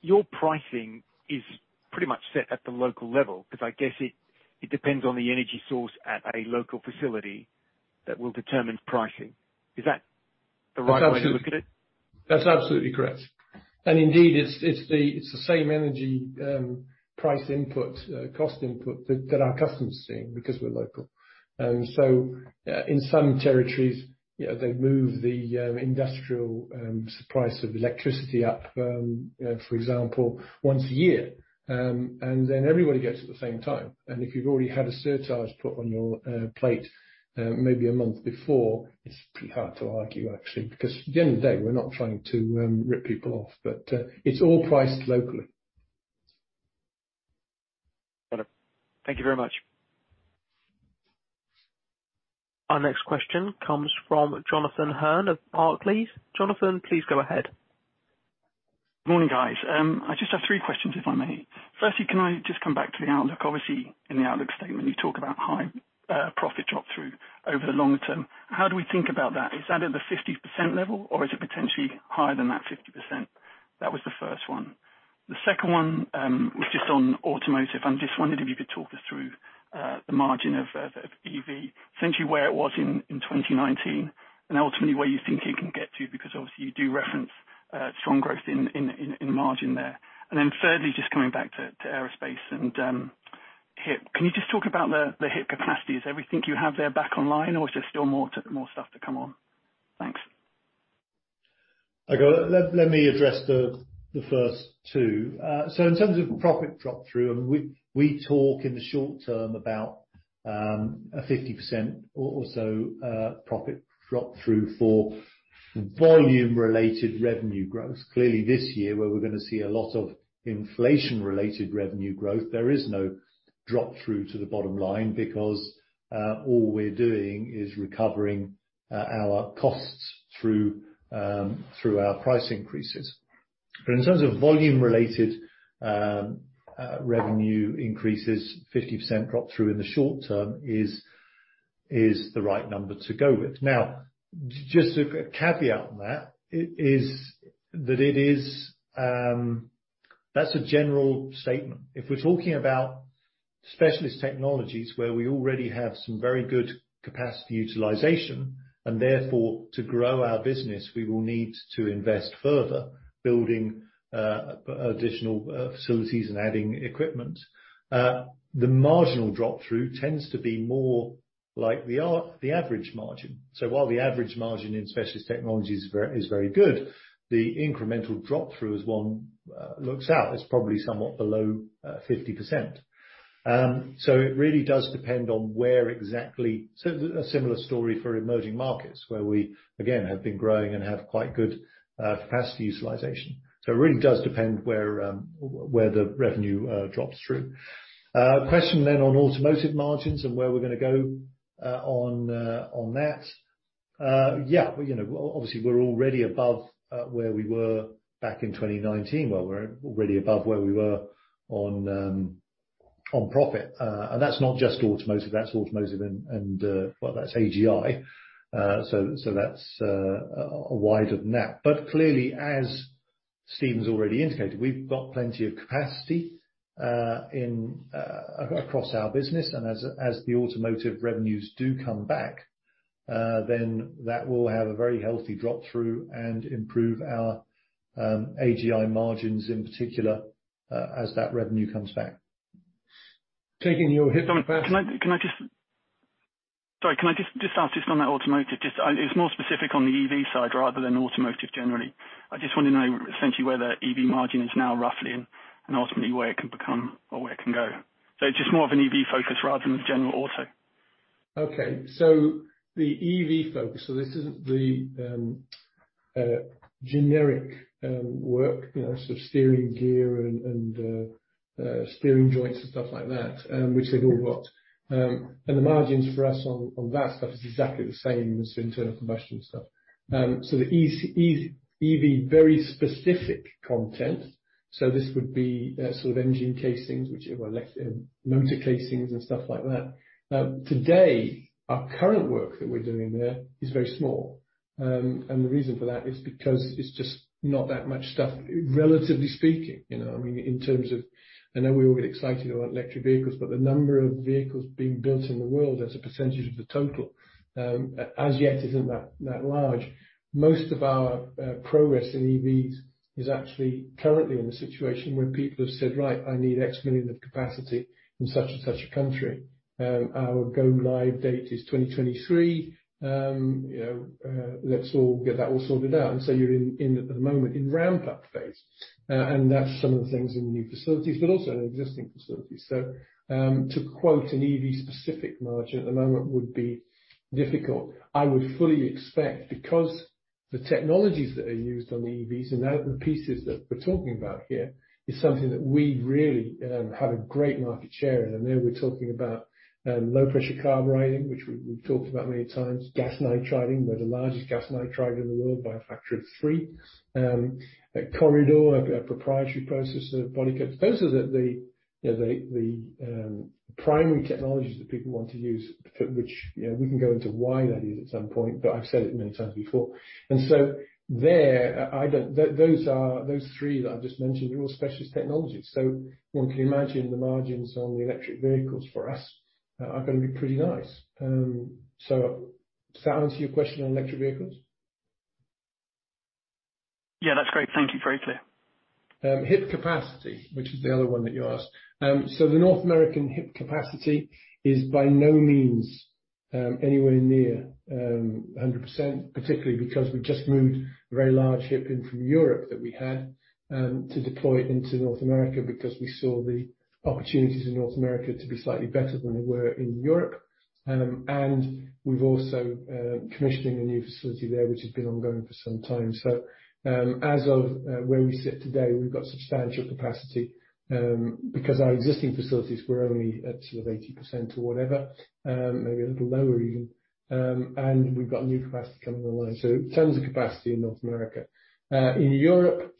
your pricing is pretty much set at the local level. Because I guess it depends on the energy source at a local facility that will determine pricing. Is that the right way to look at it?
That's absolutely correct. And indeed, it's the same energy price input, cost input that our customers are seeing because we're local. So, in some territories, you know, they move the industrial price of electricity up, you know, for example, once a year. And then everybody gets it at the same time. And if you've already had a surcharge put on your plate, maybe a month before, it's pretty hard to argue, actually. Because at the end of the day, we're not trying to rip people off. But it's all priced locally.
Got it. Thank you very much.
Our next question comes from Jonathan Hurn of Barclays. Jonathan, please go ahead.
Good morning, guys. I just have three questions, if I may. Firstly, can I just come back to the outlook? Obviously, in the outlook statement, you talk about high profit dropthrough over the longer term. How do we think about that? Is that at the 50% level, or is it potentially higher than that 50%? That was the first one. The second one was just on automotive. I just wondered if you could talk us through the margin of EV, essentially where it was in 2019, and ultimately where you think it can get to. Because obviously, you do reference strong growth in margin there. And then thirdly, just coming back to aerospace and HIP, can you just talk about the HIP capacity? Is everything you have there back online, or is there still more stuff to come on? Thanks.
Okay. Let me address the first two. So in terms of profit dropthrough, I mean, we talk in the short term about a 50% or so profit dropthrough for volume-related revenue growth. Clearly, this year, where we're going to see a lot of inflation-related revenue growth, there is no dropthrough to the bottom line. Because all we're doing is recovering our costs through our price increases. But in terms of volume-related revenue increases, 50% dropthrough in the short term is the right number to go with. Now, just a caveat on that, it is, that's a general statement. If we're talking about Specialist Technologies where we already have some very good capacity utilization, and therefore, to grow our business, we will need to invest further, building additional facilities and adding equipment, the marginal dropthrough tends to be more like the average margin. So while the average margin in Specialist Technologies is very good, the incremental dropthrough is one looks out. It's probably somewhat below 50%. So it really does depend on where exactly so a similar story for Emerging Markets, where we again have been growing and have quite good capacity utilization. So it really does depend where where the revenue drops through. Question then on automotive margins and where we're going to go on that. Yeah. Well, you know, obviously, we're already above where we were back in 2019. Well, we're already above where we were on profit. And that's not just automotive. That's automotive and, well, that's AGI. So that's a wider map. But clearly, as Stephen's already indicated, we've got plenty of capacity across our business. And as the automotive revenues do come back, then that will have a very healthy dropthrough and improve our AGI margins in particular, as that revenue comes back. Taking your HIP on the past, can I just sorry. Can I just ask just on that automotive? Just, it's more specific on the EV side rather than automotive generally. I just wanted to know, essentially, where the EV margin is now roughly and ultimately where it can become or where it can go. So it's just more of an EV focus rather than a general auto. Okay. So the EV focus, so this isn't the generic work, you know, sort of steering gear and steering joints and stuff like that, which they've all got. And the margins for us on that stuff is exactly the same as for internal combustion stuff. So the EV very specific content, so this would be sort of engine casings, which are, well, electric motor casings and stuff like that. Today, our current work that we're doing there is very small. And the reason for that is because it's just not that much stuff, relatively speaking, you know? I mean, in terms of, I know we all get excited about electric vehicles, but the number of vehicles being built in the world as a percentage of the total, as yet, isn't that large. Most of our progress in EVs is actually currently in the situation where people have said, "Right. I need X million of capacity in such and such a country." Our go live date is 2023. You know, let's all get that all sorted out. And so you're in at the moment in ramp-up phase. And that's some of the things in the new facilities, but also in existing facilities. So, to quote an EV-specific margin at the moment would be difficult. I would fully expect because the technologies that are used on the EVs and now the pieces that we're talking about here is something that we really have a great market share in. And now we're talking about low-pressure carburizing, which we've talked about many times, gas nitriding. We're the largest gas nitrider in the world by a factor of three. Corr-I-Dur, a proprietary process of Bodycote. Those are the, you know, the primary technologies that people want to use, which, you know, we can go into why that is at some point. But I've said it many times before. And so there, I don't, those are those three that I've just mentioned. They're all specialist technologies. So one can imagine the margins on the electric vehicles for us are going to be pretty nice. So does that answer your question on electric vehicles?
Yeah. That's great. Thank you. Very clear.
HIP capacity, which is the other one that you asked. So the North American HIP capacity is by no means anywhere near 100%, particularly because we just moved a very large HIP in from Europe that we had to deploy into North America because we saw the opportunities in North America to be slightly better than they were in Europe. And we've also commissioning a new facility there, which has been ongoing for some time. So as of where we sit today, we've got substantial capacity, because our existing facilities were only at sort of 80% or whatever, maybe a little lower even. And we've got new capacity coming online. So tons of capacity in North America. In Europe,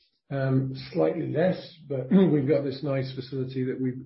slightly less. But we've got this nice facility that we've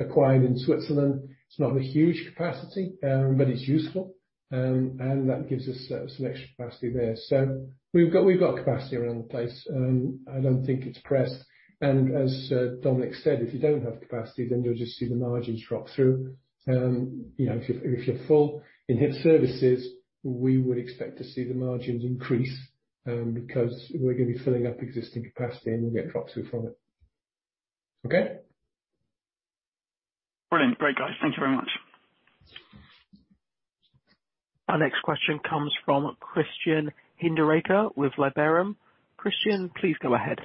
acquired in Switzerland. It's not a huge capacity, but it's useful. And that gives us some extra capacity there. So we've got capacity around the place. I don't think it's pressed. And as Dominic said, if you don't have capacity, then you'll just see the margins drop through. You know, if you're full in HIP services, we would expect to see the margins increase, because we're going to be filling up existing capacity, and we'll get dropthrough from it. Okay?
Brilliant. Great, guys. Thank you very much.
Our next question comes from Christian Hinderaker with Liberum. Christian, please go ahead.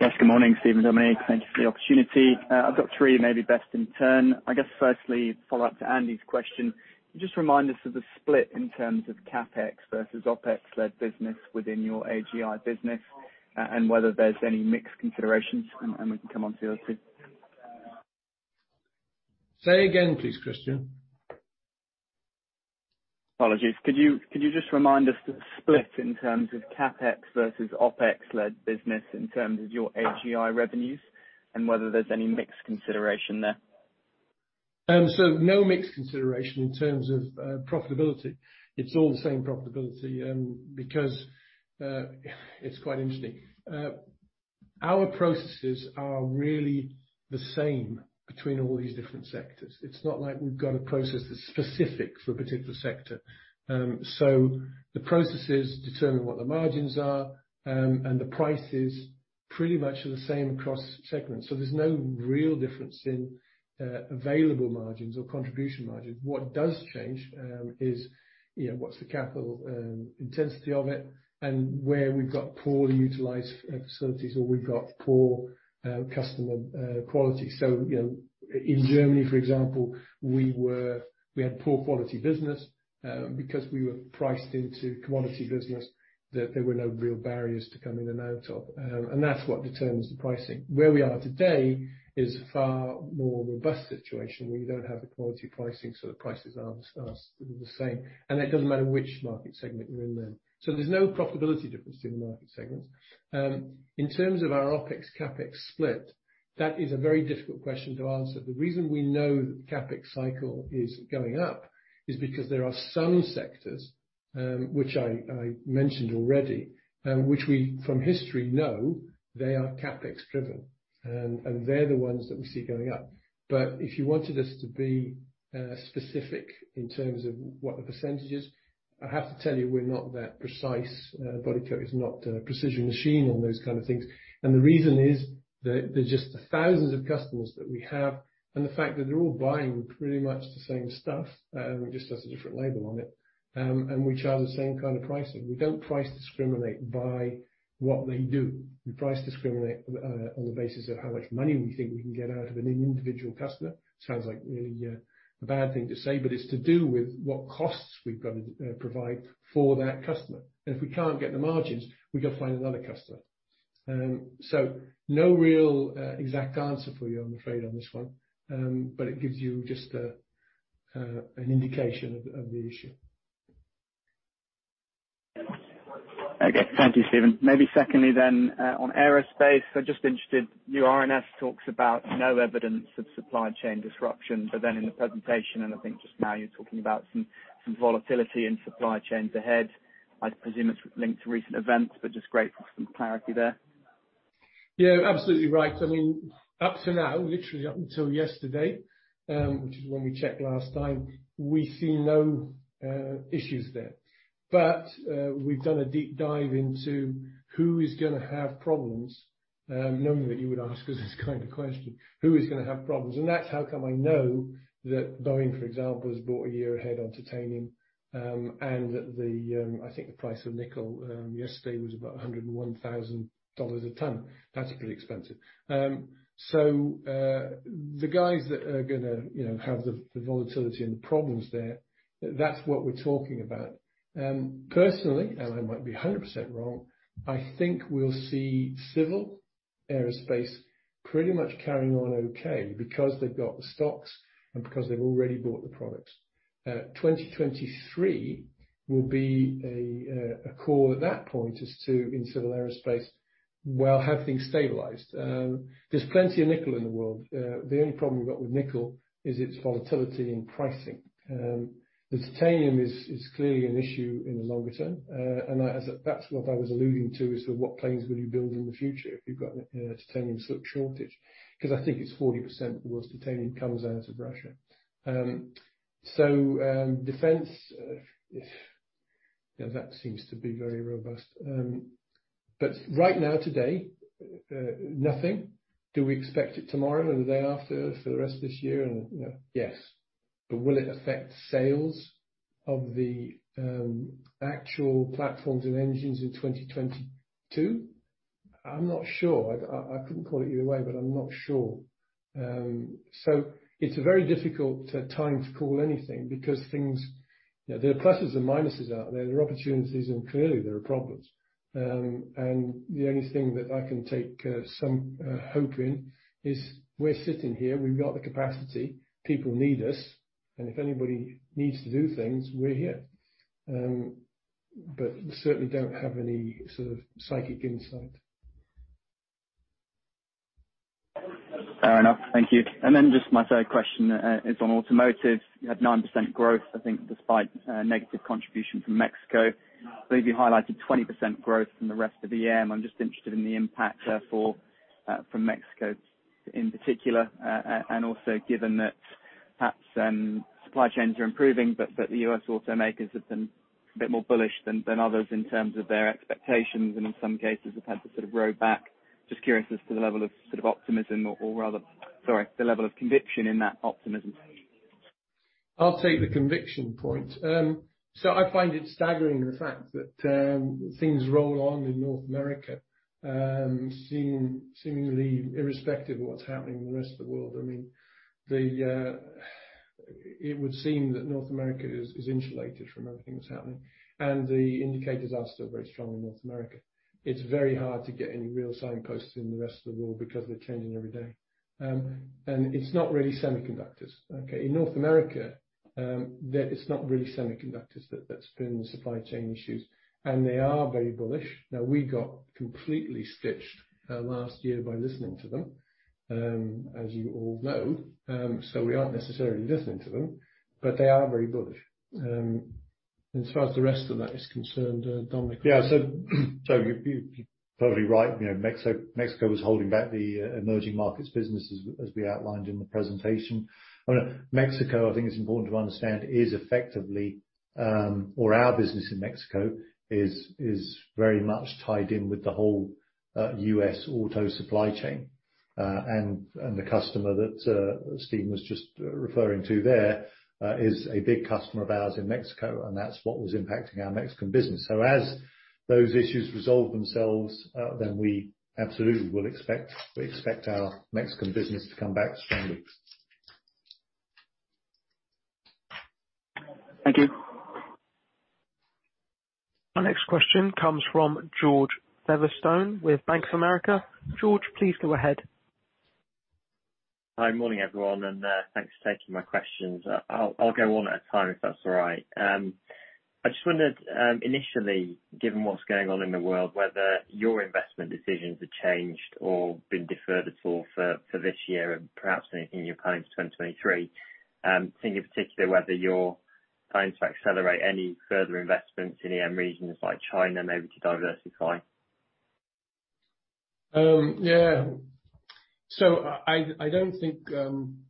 Yes. Good morning, Stephen and Dominique. Thank you for the opportunity. I've got three, maybe best in turn. I guess, firstly, follow-up to Andy's question. Could you just remind us of the split in terms of CapEx versus OpEx-led business within your AGI business, and whether there's any mixed considerations? And we can come on to those two.
Say again, please, Christian. Apologies.
Could you could you just remind us the split in terms of CapEx versus OpEx-led business in terms of your AGI revenues and whether there's any mixed consideration there? So no mixed consideration in terms of profitability. It's all the same profitability, because it's quite interesting. Our processes are really the same between all these different sectors. It's not like we've got a process that's specific for a particular sector. So the processes determine what the margins are, and the prices pretty much are the same across segments. So there's no real difference in available margins or contribution margins. What does change is you know what's the capital intensity of it and where we've got poorly utilized facilities or we've got poor customer quality. So, you know, in Germany, for example, we had poor quality business, because we were priced into commodity business that there were no real barriers to coming in and out of. And that's what determines the pricing. Where we are today is a far more robust situation where you don't have the quality pricing. So the prices aren't the same. And it doesn't matter which market segment you're in there. So there's no profitability difference between the market segments. In terms of our OpEx/CapEx split, that is a very difficult question to answer. The reason we know that the CapEx cycle is going up is because there are some sectors, which I mentioned already, which we, from history, know they are CapEx-driven. And they're the ones that we see going up. But if you wanted us to be specific in terms of what the percentage is, I have to tell you, we're not that precise. Bodycote is not a precision machine on those kind of things. And the reason is that there's just the thousands of customers that we have and the fact that they're all buying pretty much the same stuff, just has a different label on it, and we charge the same kind of pricing. We don't price discriminate by what they do. We price discriminate on the basis of how much money we think we can get out of an individual customer. Sounds like really a bad thing to say. But it's to do with what costs we've got to provide for that customer. And if we can't get the margins, we've got to find another customer. So no real, exact answer for you, I'm afraid, on this one. But it gives you just an indication of the issue. Okay. Thank you, Stephen. Maybe secondly then, on aerospace, so just interested. Howmet's talks about no evidence of supply chain disruption. But then in the presentation, and I think just now you're talking about some volatility in supply chains ahead. I presume it's linked to recent events, but just grateful for some clarity there.
Yeah. Absolutely right. I mean, up to now, literally up until yesterday, which is when we checked last time, we've seen no issues there. But, we've done a deep dive into who is going to have problems, knowing that you would ask us this kind of question, who is going to have problems. That's how come I know that Boeing, for example, has bought a year ahead on titanium, and that the, I think the price of nickel, yesterday was about $101,000 a tonne. That's pretty expensive. So, the guys that are going to, you know, have the volatility and the problems there, that's what we're talking about. Personally, and I might be 100% wrong, I think we'll see civil aerospace pretty much carrying on okay because they've got the stocks and because they've already bought the products. 2023 will be a core at that point as to, in civil aerospace, well, have things stabilized. There's plenty of nickel in the world. The only problem we've got with nickel is its volatility in pricing. The titanium is clearly an issue in the longer term. And I, as a, that's what I was alluding to as to what planes will you build in the future if you've got a titanium supply shortage. Because I think it's 40% of the world's titanium comes out of Russia. So, defense, if, you know, that seems to be very robust. But right now, today, nothing. Do we expect it tomorrow and the day after for the rest of this year? And, you know, yes. But will it affect sales of the actual platforms and engines in 2022? I'm not sure. I couldn't call it either way, but I'm not sure. So it's a very difficult time to call anything because things, you know, there are pluses and minuses out there. There are opportunities. And clearly, there are problems. And the only thing that I can take some hope in is we're sitting here. We've got the capacity. People need us. And if anybody needs to do things, we're here. But we certainly don't have any sort of psychic insight. Fair enough. Thank you. And then just my third question is on automotives. You had 9% growth, I think, despite negative contribution from Mexico. I believe you highlighted 20% growth from the rest of the year. And I'm just interested in the impact for from Mexico in particular, and also given that perhaps supply chains are improving, but the U.S. automakers have been a bit more bullish than others in terms of their expectations and, in some cases, have had to sort of row back. Just curious as to the level of sort of optimism or rather, sorry, the level of conviction in that optimism. I'll take the conviction point. So I find it staggering the fact that things roll on in North America, seemingly irrespective of what's happening in the rest of the world. I mean, it would seem that North America is insulated from everything that's happening. And the indicators are still very strong in North America. It's very hard to get any real signposts in the rest of the world because they're changing every day. And it's not really semiconductors. Okay? In North America, it's not really semiconductors that's been the supply chain issues. And they are very bullish. Now, we got completely stitched last year by listening to them, as you all know. So we aren't necessarily listening to them. But they are very bullish. And as far as the rest of that is concerned, Dominic was. Yeah. So you, you're probably right. You know, Mexico, Mexico was holding back the emerging markets business as, as we outlined in the presentation. I mean, Mexico, I think it's important to understand, is effectively, or our business in Mexico is, is very much tied in with the whole U.S. auto supply chain. And, and the customer that Stephen was just referring to there is a big customer of ours in Mexico. And that's what was impacting our Mexican business. So as those issues resolve themselves, then we absolutely will expect we expect our Mexican business to come back stronger.
Thank you.
Our next question comes from George Featherstone with Bank of America. George, please go ahead.
Hi. Morning, everyone. And, thanks for taking my questions. I'll, I'll go one at a time if that's all right. I just wondered, initially, given what's going on in the world, whether your investment decisions have changed or been deferred at all for, for this year and perhaps anything you're planning for 2023, think in particular whether you're planning to accelerate any further investments in EM regions like China, maybe to diversify.
Yeah. So I, I, I don't think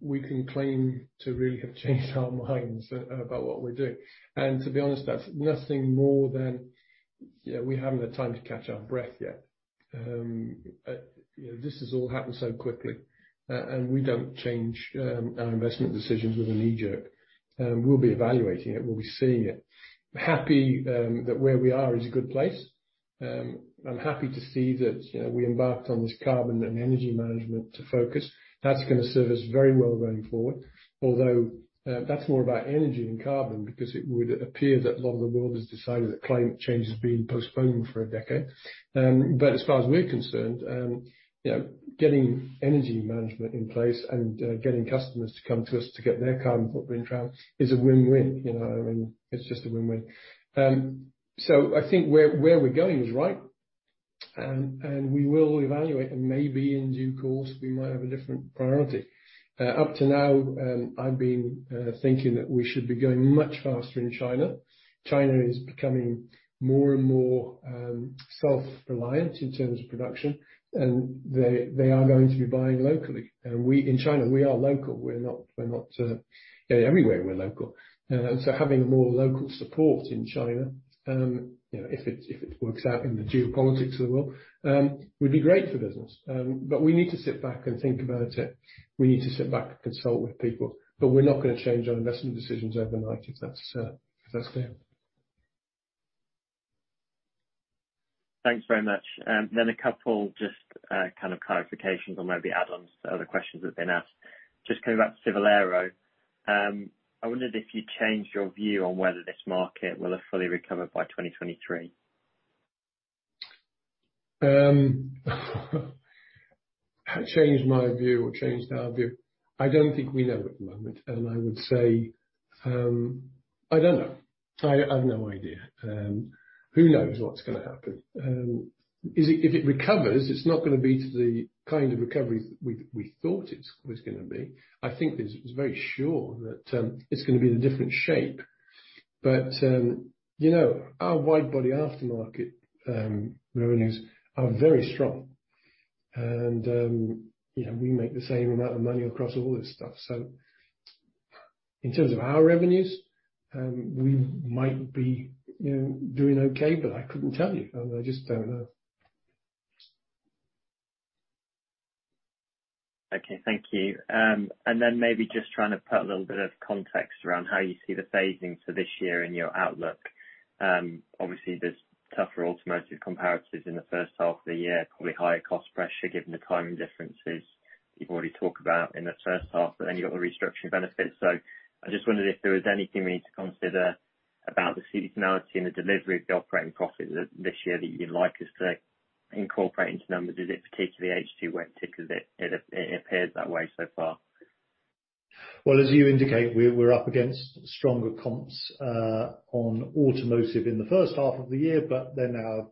we can claim to really have changed our minds about what we're doing. And to be honest, that's nothing more than, you know, we haven't had time to catch our breath yet. You know, this has all happened so quickly. And we don't change our investment decisions with a knee jerk. We'll be evaluating it. We'll be seeing it. Happy that where we are is a good place. I'm happy to see that, you know, we embarked on this carbon and energy management to focus. That's going to serve us very well going forward, although that's more about energy than carbon because it would appear that a lot of the world has decided that climate change has been postponed for a decade. But as far as we're concerned, you know, getting energy management in place and getting customers to come to us to get their carbon footprint drawn is a win-win, you know? I mean, it's just a win-win. So I think where we're going is right. And we will evaluate. And maybe in due course, we might have a different priority. Up to now, I've been thinking that we should be going much faster in China. China is becoming more and more self-reliant in terms of production. And they are going to be buying locally. And we in China, we are local. We're not, you know, everywhere, we're local. And so having a more local support in China, you know, if it if it works out in the geopolitics of the world, would be great for business. But we need to sit back and think about it. We need to sit back and consult with people. But we're not going to change our investment decisions overnight if that's, if that's clear.
Thanks very much. Then a couple just, kind of clarifications on maybe add-ons to other questions that have been asked. Just coming back to civil aero, I wondered if you'd changed your view on whether this market will have fully recovered by 2023.
Have changed my view or changed our view? I don't think we know at the moment. And I would say, I don't know. I, I have no idea. Who knows what's going to happen? Is it if it recovers, it's not going to be to the kind of recovery we thought it was going to be. I think there's—I was very sure that it's going to be in a different shape. But you know, our widebody aftermarket revenues are very strong. And you know, we make the same amount of money across all this stuff. So in terms of our revenues, we might be, you know, doing okay. But I couldn't tell you. I mean, I just don't know.
Okay. Thank you. And then maybe just trying to put a little bit of context around how you see the phasing for this year in your outlook. Obviously, there's tougher automotive comparisons in the first half of the year, probably higher cost pressure given the timing differences you've already talked about in the first half. But then you've got the restructuring benefits. So I just wondered if there was anything we need to consider about the seasonality and the delivery of the operating profit that this year that you'd like us to incorporate into numbers. Is it particularly H2 weighted as it appears that way so far?
Well, as you indicate, we're up against stronger comps on automotive in the first half of the year. But then our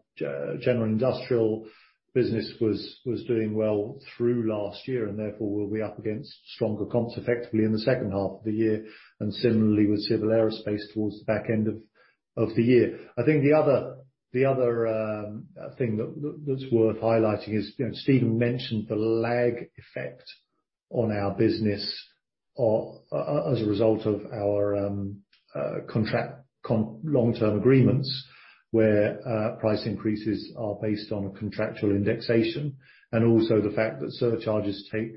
general industrial business was doing well through last year. And therefore, we'll be up against stronger comps effectively in the second half of the year and similarly with civil aerospace towards the back end of the year. I think the other thing that's worth highlighting is, you know, Stephen mentioned the lag effect on our business as a result of our contractual long-term agreements where price increases are based on a contractual indexation and also the fact that surcharges take,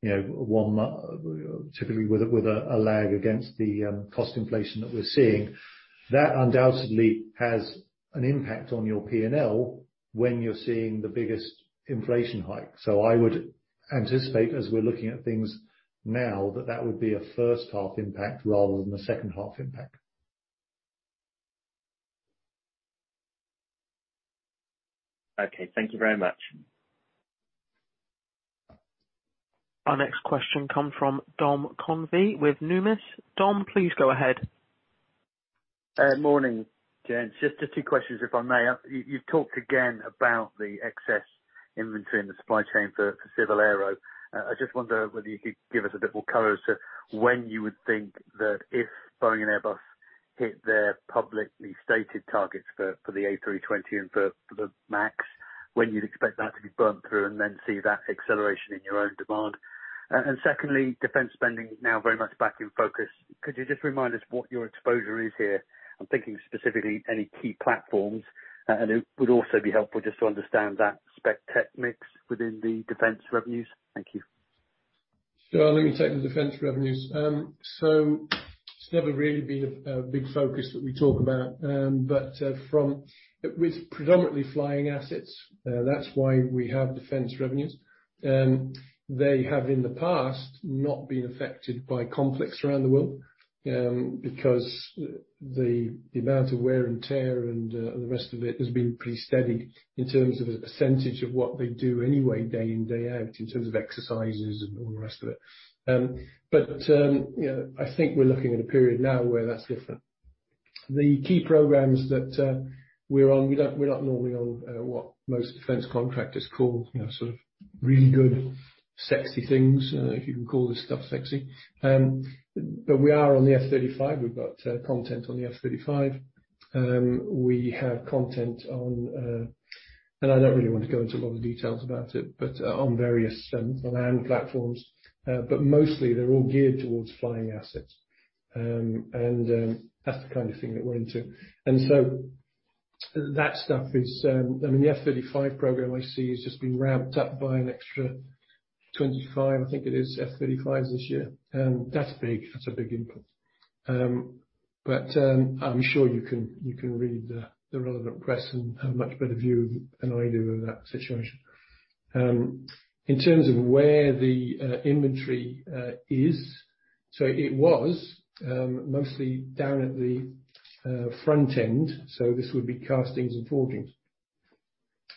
you know, one month typically with a lag against the cost inflation that we're seeing. That undoubtedly has an impact on your P&L when you're seeing the biggest inflation hike. So I would anticipate, as we're looking at things now, that that would be a first-half impact rather than a second-half impact.
Okay. Thank you very much.
Our next question comes from Dom Convey with Numis. Dom, please go ahead.
Morning, Gents. Just the two questions, if I may. You've talked again about the excess inventory in the supply chain for civil aero. I just wonder whether you could give us a bit more colors to when you would think that if Boeing and Airbus hit their publicly stated targets for the A320 and for the MAX, when you'd expect that to be burnt through and then see that acceleration in your own demand. And secondly, defense spending now very much back in focus. Could you just remind us what your exposure is here? I'm thinking specifically any key platforms. It would also be helpful just to understand that spec tech mix within the defense revenues. Thank you.
Sure. Let me take the defense revenues. So it's never really been a big focus that we talk about. But from it was predominantly flying assets. That's why we have defense revenues. They have, in the past, not been affected by conflicts around the world, because the, the amount of wear and tear and, and the rest of it has been pretty steady in terms of a percentage of what they do anyway day in, day out in terms of exercises and all the rest of it. But, you know, I think we're looking at a period now where that's different. The key programs that we're on, we're not normally on, what most defense contractors call, you know, sort of really good sexy things, if you can call this stuff sexy. But we are on the F-35. We've got content on the F-35. We have content on, and I don't really want to go into a lot of details about it, but, on various land platforms. But mostly, they're all geared towards flying assets. That's the kind of thing that we're into. And so that stuff is, I mean, the F-35 program, I see, has just been ramped up by an extra 25. I think it is F-35s this year. That's big. That's a big input. But I'm sure you can read the relevant press and have a much better view than I do of that situation. In terms of where the inventory is, so it was mostly down at the front end. So this would be castings and forgings.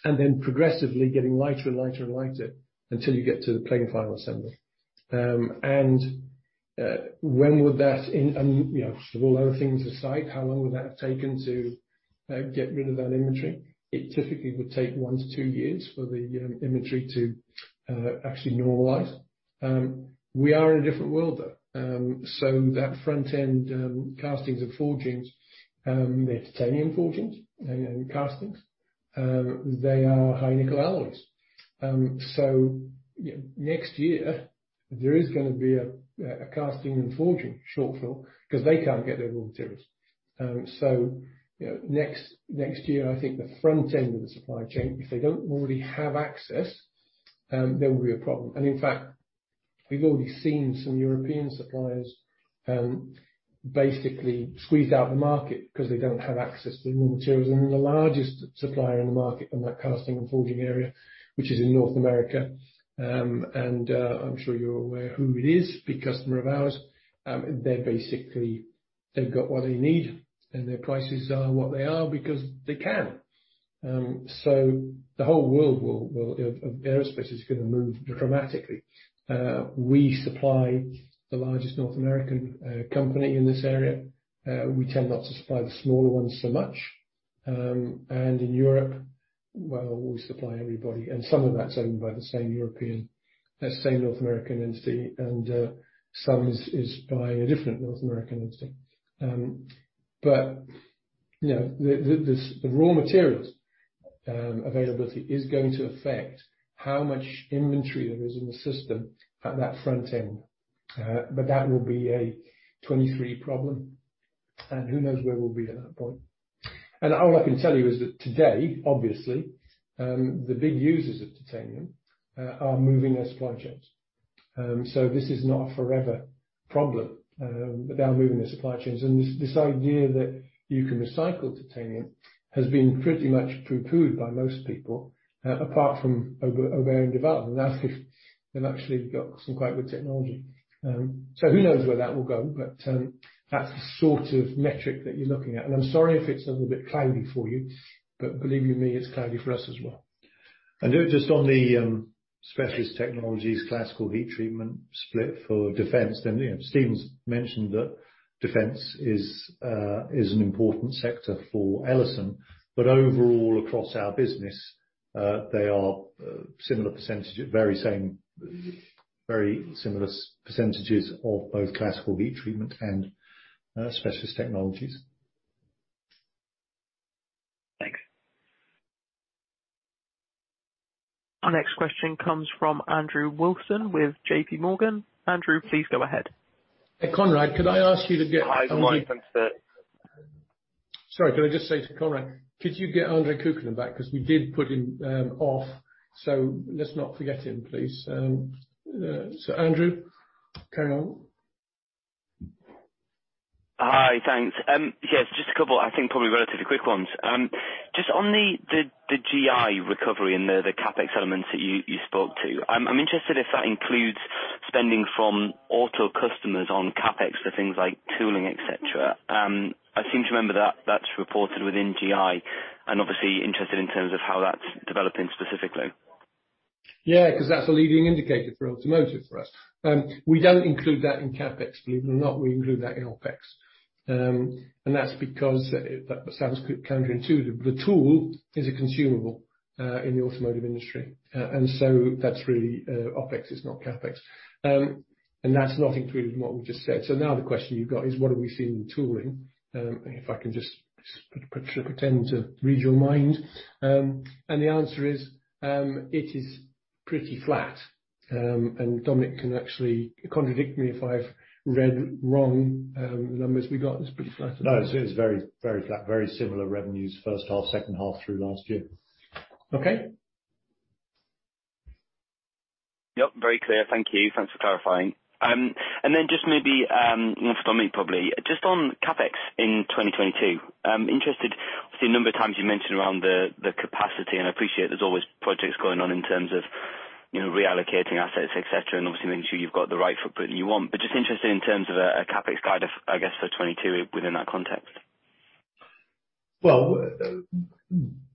And then progressively getting lighter and lighter and lighter until you get to the plane final assembly. And when would that in and, you know, sort of all other things aside, how long would that have taken to get rid of that inventory? It typically would take one to two years for the inventory to actually normalize. We are in a different world, though. So that front end, castings and forgings, they're titanium forgings and, and castings. They are high nickel alloys. So, you know, next year, there is going to be a, a casting and forging shortfall because they can't get their raw materials. So, you know, next, next year, I think the front end of the supply chain, if they don't already have access, there will be a problem. And in fact, we've already seen some European suppliers, basically squeeze out the market because they don't have access to the raw materials. And then the largest supplier in the market in that casting and forging area, which is in North America, and, I'm sure you're aware who it is, big customer of ours, they're basically they've got what they need. And their prices are what they are because they can. So the whole world of aerospace is going to move dramatically. We supply the largest North American company in this area. We tend not to supply the smaller ones so much. And in Europe, well, we supply everybody. And some of that's owned by the same European that's the same North American entity. And some is buying a different North American entity. But, you know, the raw materials availability is going to affect how much inventory there is in the system at that front end. But that will be a 2023 problem. And who knows where we'll be at that point? And all I can tell you is that today, obviously, the big users of titanium are moving their supply chains. So this is not a forever problem. But they are moving their supply chains. This, this idea that you can recycle titanium has been pretty much pooh-poohed by most people, apart from Aubert & Duval. Now, they've, they've actually got some quite good technology. So who knows where that will go? But, that's the sort of metric that you're looking at. And I'm sorry if it's a little bit cloudy for you. But believe you me, it's cloudy for us as well. And just on the, Specialist Technologies, Classical Heat Treatment split for defense, then, you know, Stephen's mentioned that defense is, is an important sector for Ellison. But overall, across our business, they are, similar percentage at very same very similar percentages of both Classical Heat Treatment and, Specialist Technologies.
Thanks.
Our next question comes from Andrew Wilson with J.P. Morgan. Andrew, please go ahead.
Hey, Conrad, could I ask you to get I'm waiting for sorry.
Could I just say to Conrad, could you get Andre Kukhnin back? Because we did put him off. So let's not forget him, please. So Andrew, carry on.
Hi. Thanks. Yes, just a couple, I think, probably relatively quick ones. Just on the GI recovery and the CapEx elements that you spoke to, I'm interested if that includes spending from auto customers on CapEx for things like tooling, etc. I seem to remember that that's reported within GI. And obviously, interested in terms of how that's developing specifically.
Yeah, because that's a leading indicator for automotive for us. We don't include that in CapEx, believe it or not. We include that in OpEx. And that's because that sounds counterintuitive. The tool is a consumable in the automotive industry. And so that's really OpEx. It's not CapEx. And that's not included in what we just said. So now the question you've got is, what have we seen in tooling? If I can just pretend to read your mind. And the answer is, it is pretty flat. And Dominic can actually contradict me if I've read wrong, the numbers we got. It's pretty flat. No, it's, it's very, very flat. Very similar revenues first half, second half through last year. Okay.
Yep. Very clear. Thank you. Thanks for clarifying. And then just maybe, you know, for Dominic, probably, just on CapEx in 2022, interested obviously, a number of times you mentioned around the, the capacity. And I appreciate there's always projects going on in terms of, you know, reallocating assets, etc., and obviously making sure you've got the right footprint you want. But just interested in terms of a, a CapEx guide, I guess, for 2022 within that context.
Well,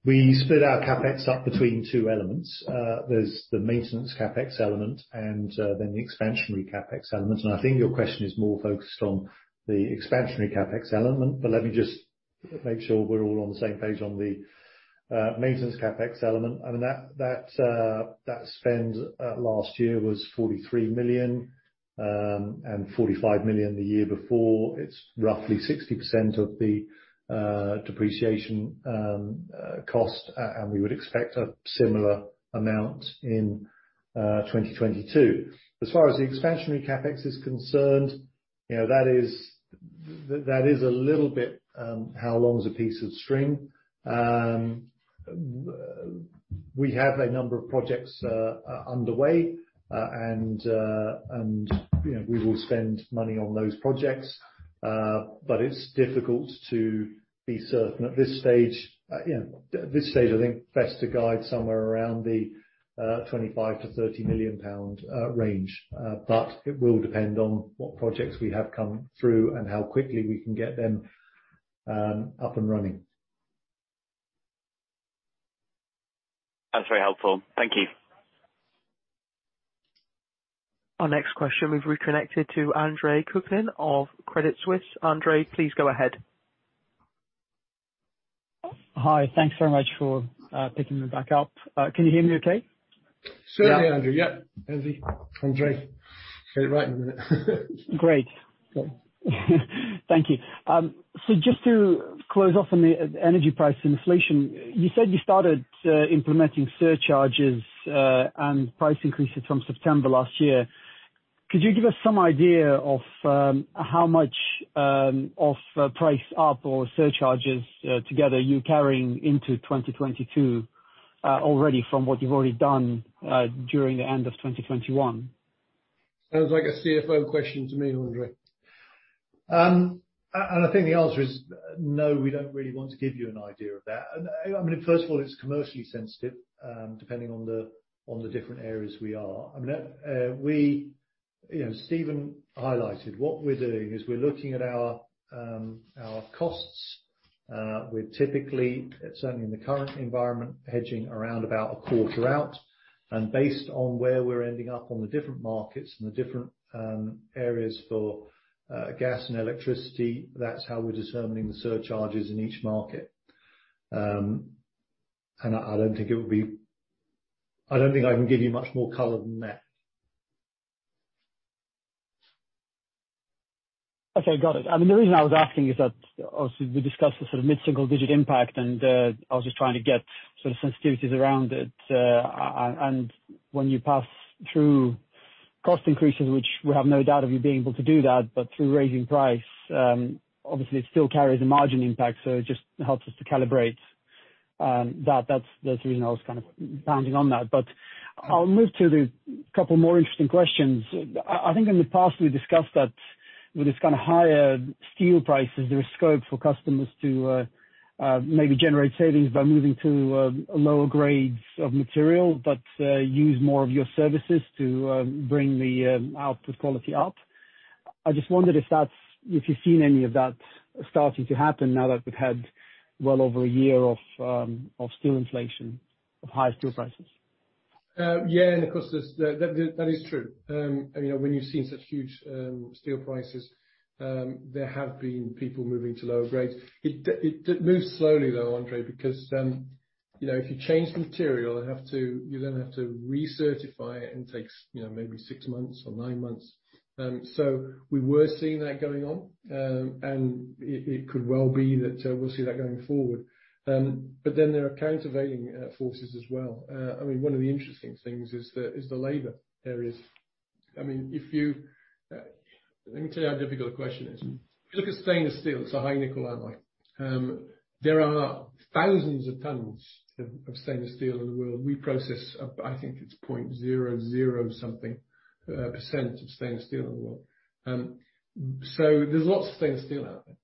we split our CapEx up between two elements. There's the maintenance CapEx element and then the expansionary CapEx element. And I think your question is more focused on the expansionary CapEx element. But let me just make sure we're all on the same page on the maintenance CapEx element. I mean, that spend last year was 43 million, and 45 million the year before. It's roughly 60% of the depreciation cost. And we would expect a similar amount in 2022. As far as the expansionary CapEx is concerned, you know, that is a little bit, how long's a piece of string. We have a number of projects underway. And you know, we will spend money on those projects. But it's difficult to be certain at this stage.
You know, at this stage, I think best to guide somewhere around the 25 million-30 million pound range. But it will depend on what projects we have come through and how quickly we can get them up and running.
That's very helpful. Thank you.
Our next question. We've reconnected to Andre Kukhnin of Credit Suisse. Andrew, please go ahead.
Hi. Thanks very much for picking me back up. Can you hear me okay?
Certainly, Andrew.
Yep. Andy. Andrew. Get it right in a minute.
Great. Thank you. So just to close off on the energy price inflation, you said you started implementing surcharges and price increases from September last year. Could you give us some idea of how much of price up or surcharges, together you're carrying into 2022, already from what you've already done during the end of 2021?
Sounds like a CFO question to me, Andrew. I think the answer is, no, we don't really want to give you an idea of that. I mean, first of all, it's commercially sensitive, depending on the different areas we are. I mean, we you know, Stephen highlighted what we're doing is we're looking at our, our costs. We're typically, certainly in the current environment, hedging around about a quarter out. Based on where we're ending up on the different markets and the different areas for gas and electricity, that's how we're determining the surcharges in each market. I don't think I can give you much more color than that.
Okay. Got it. I mean, the reason I was asking is that, obviously, we discussed the sort of mid-single digit impact. I was just trying to get sort of sensitivities around it. And when you pass through cost increases, which we have no doubt of you being able to do that, but through raising price, obviously, it still carries a margin impact. So it just helps us to calibrate that. That's the reason I was kind of pounding on that. But I'll move to the couple more interesting questions. I think in the past, we discussed that with this kind of higher steel prices, there is scope for customers to maybe generate savings by moving to lower grades of material, but use more of your services to bring the output quality up. I just wondered if that's if you've seen any of that starting to happen now that we've had well over a year of steel inflation of high steel prices.
Yeah. And of course, there's that. That is true. You know, when you've seen such huge steel prices, there have been people moving to lower grades. It does. It moves slowly, though, Andrew. Because, you know, if you change the material, you have to, then you have to recertify it. And it takes, you know, maybe six months or nine months. So we were seeing that going on. And it, it could well be that we'll see that going forward. But then there are countervailing forces as well. I mean, one of the interesting things is the, is the labor areas. I mean, if you let me tell you how difficult the question is. If you look at stainless steel, it's a high nickel alloy. There are thousands of tons of stainless steel in the world. We process a—I think it's 0.00-something% of stainless steel in the world. So, there's lots of stainless steel out there.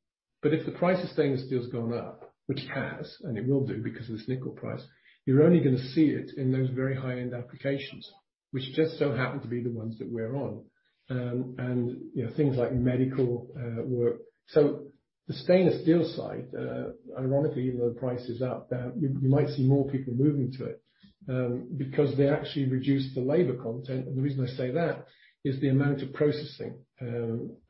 But if the price of stainless steel's gone up, which it has, and it will do because of this nickel price, you're only going to see it in those very high-end applications, which just so happen to be the ones that we're on. You know, things like medical work, so the stainless steel side, ironically, even though the price is up, you might see more people moving to it, because they actually reduce the labor content. And the reason I say that is the amount of processing,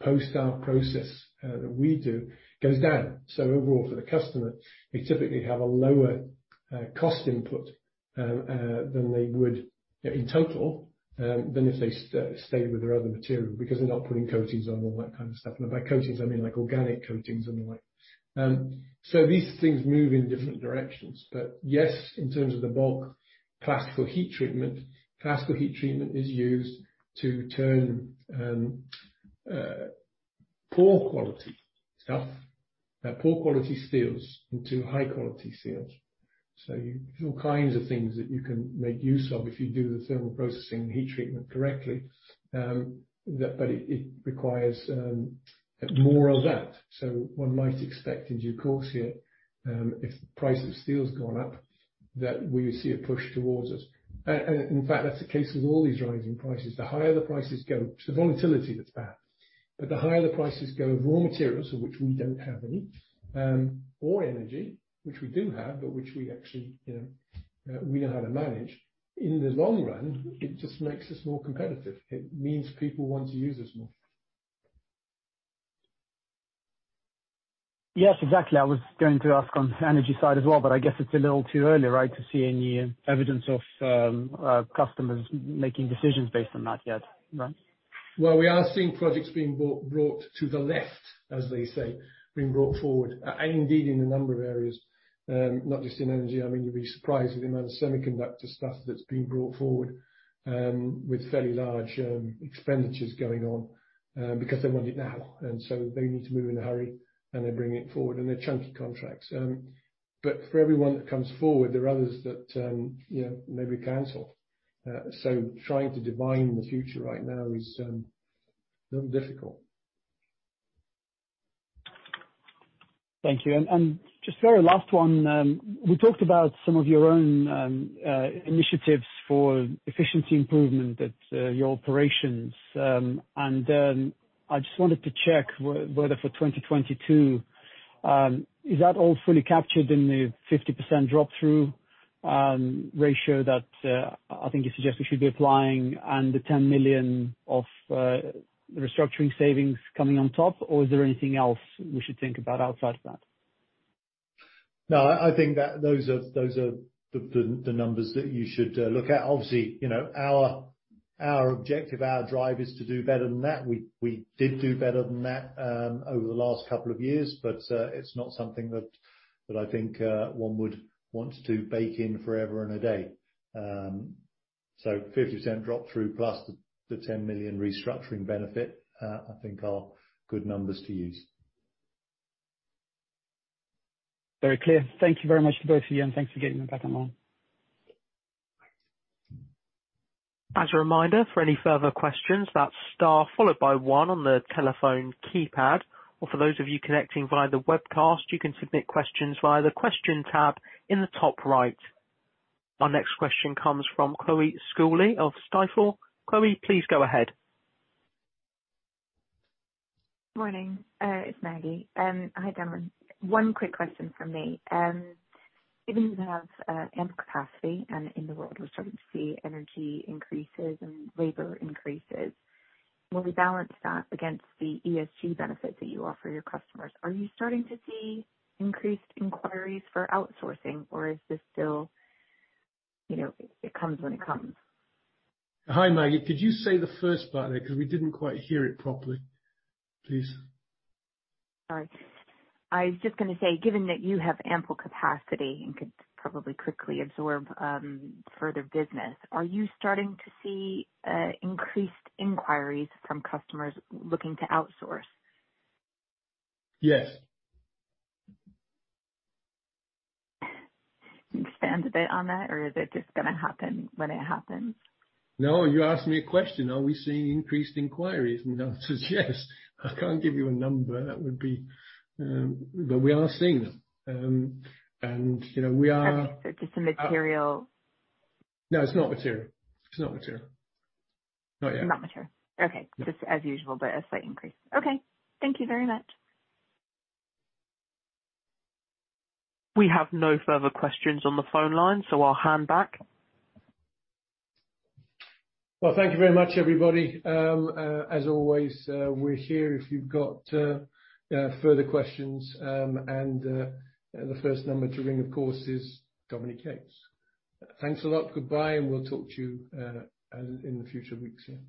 post-heat process, that we do goes down. So overall, for the customer, they typically have a lower cost input than they would, you know, in total, than if they stayed with their other material because they're not putting coatings on and all that kind of stuff. And by coatings, I mean, like, organic coatings and the like. So these things move in different directions. But yes, in terms of the bulk, classical heat treatment, classical heat treatment is used to turn poor-quality stuff, poor-quality steels into high-quality steels. So you there's all kinds of things that you can make use of if you do the thermal processing and heat treatment correctly. But it, it requires more of that. So one might expect in due course here, if the price of steel's gone up, that we would see a push towards it. And, and in fact, that's the case with all these rising prices. The higher the prices go, the volatility that's bad. But the higher the prices go of raw materials, of which we don't have any, or energy, which we do have but which we actually, you know, we know how to manage, in the long run, it just makes us more competitive. It means people want to use us more.
Yes, exactly. I was going to ask on the energy side as well. But I guess it's a little too early, right, to see any evidence of, customers making decisions based on that yet, right?
Well, we are seeing projects being brought to the left, as they say, being brought forward, and indeed in a number of areas, not just in energy. I mean, you'd be surprised with the amount of semiconductor stuff that's being brought forward, with fairly large, expenditures going on, because they want it now. And so they need to move in a hurry. They bring it forward. They're chunky contracts, but for everyone that comes forward, there are others that, you know, maybe cancel. So trying to divine the future right now is a little difficult.
Thank you. And just very last one, we talked about some of your own initiatives for efficiency improvement at your operations. I just wanted to check whether for 2022, is that all fully captured in the 50% drop-through ratio that I think you suggest we should be applying and the 10 million of the restructuring savings coming on top? Or is there anything else we should think about outside of that?
No, I think that those are the numbers that you should look at. Obviously, you know, our objective, our drive is to do better than that. We did do better than that over the last couple of years. But it's not something that I think one would want to bake in forever and a day. So 50% drop-through plus the 10 million restructuring benefit, I think are good numbers to use. Very clear.
Thank you very much to both of you. Thanks for getting me back online.
As a reminder, for any further questions, that's star followed by 1 on the telephone keypad. Or for those of you connecting via the webcast, you can submit questions via the Question tab in the top right. Our next question comes from Chloe Schooley of Stifel. Chloe, please go ahead. Morning. It's Maggie. Hi, Dom. One quick question from me.
Given you have ample capacity and in the world, we're starting to see energy increases and labor increases, when we balance that against the ESG benefits that you offer your customers, are you starting to see increased inquiries for outsourcing? Or is this still, you know, it comes when it comes?
Hi, Maggie. Could you say the first part there? Because we didn't quite hear it properly, please.
Sorry. I was just going to say, given that you have ample capacity and could probably quickly absorb further business, are you starting to see increased inquiries from customers looking to outsource? Yes. Expand a bit on that? Or is it just going to happen when it happens?
No, you asked me a question. Are we seeing increased inquiries? And the answer is yes. I can't give you a number. That would be but we are seeing them. And, you know, we are okay.
So just the material? No, it's not material. It's not material. Not yet. Not material. Okay. Just as usual, but a slight increase. Okay. Thank you very much.
We have no further questions on the phone line. So I'll hand back.
Well, thank you very much, everybody. As always, we're here if you've got further questions. And, the first number to ring, of course, is Dominique De Lisle Yates.
Thanks a lot. Goodbye. And we'll talk to you in the future weeks, yeah.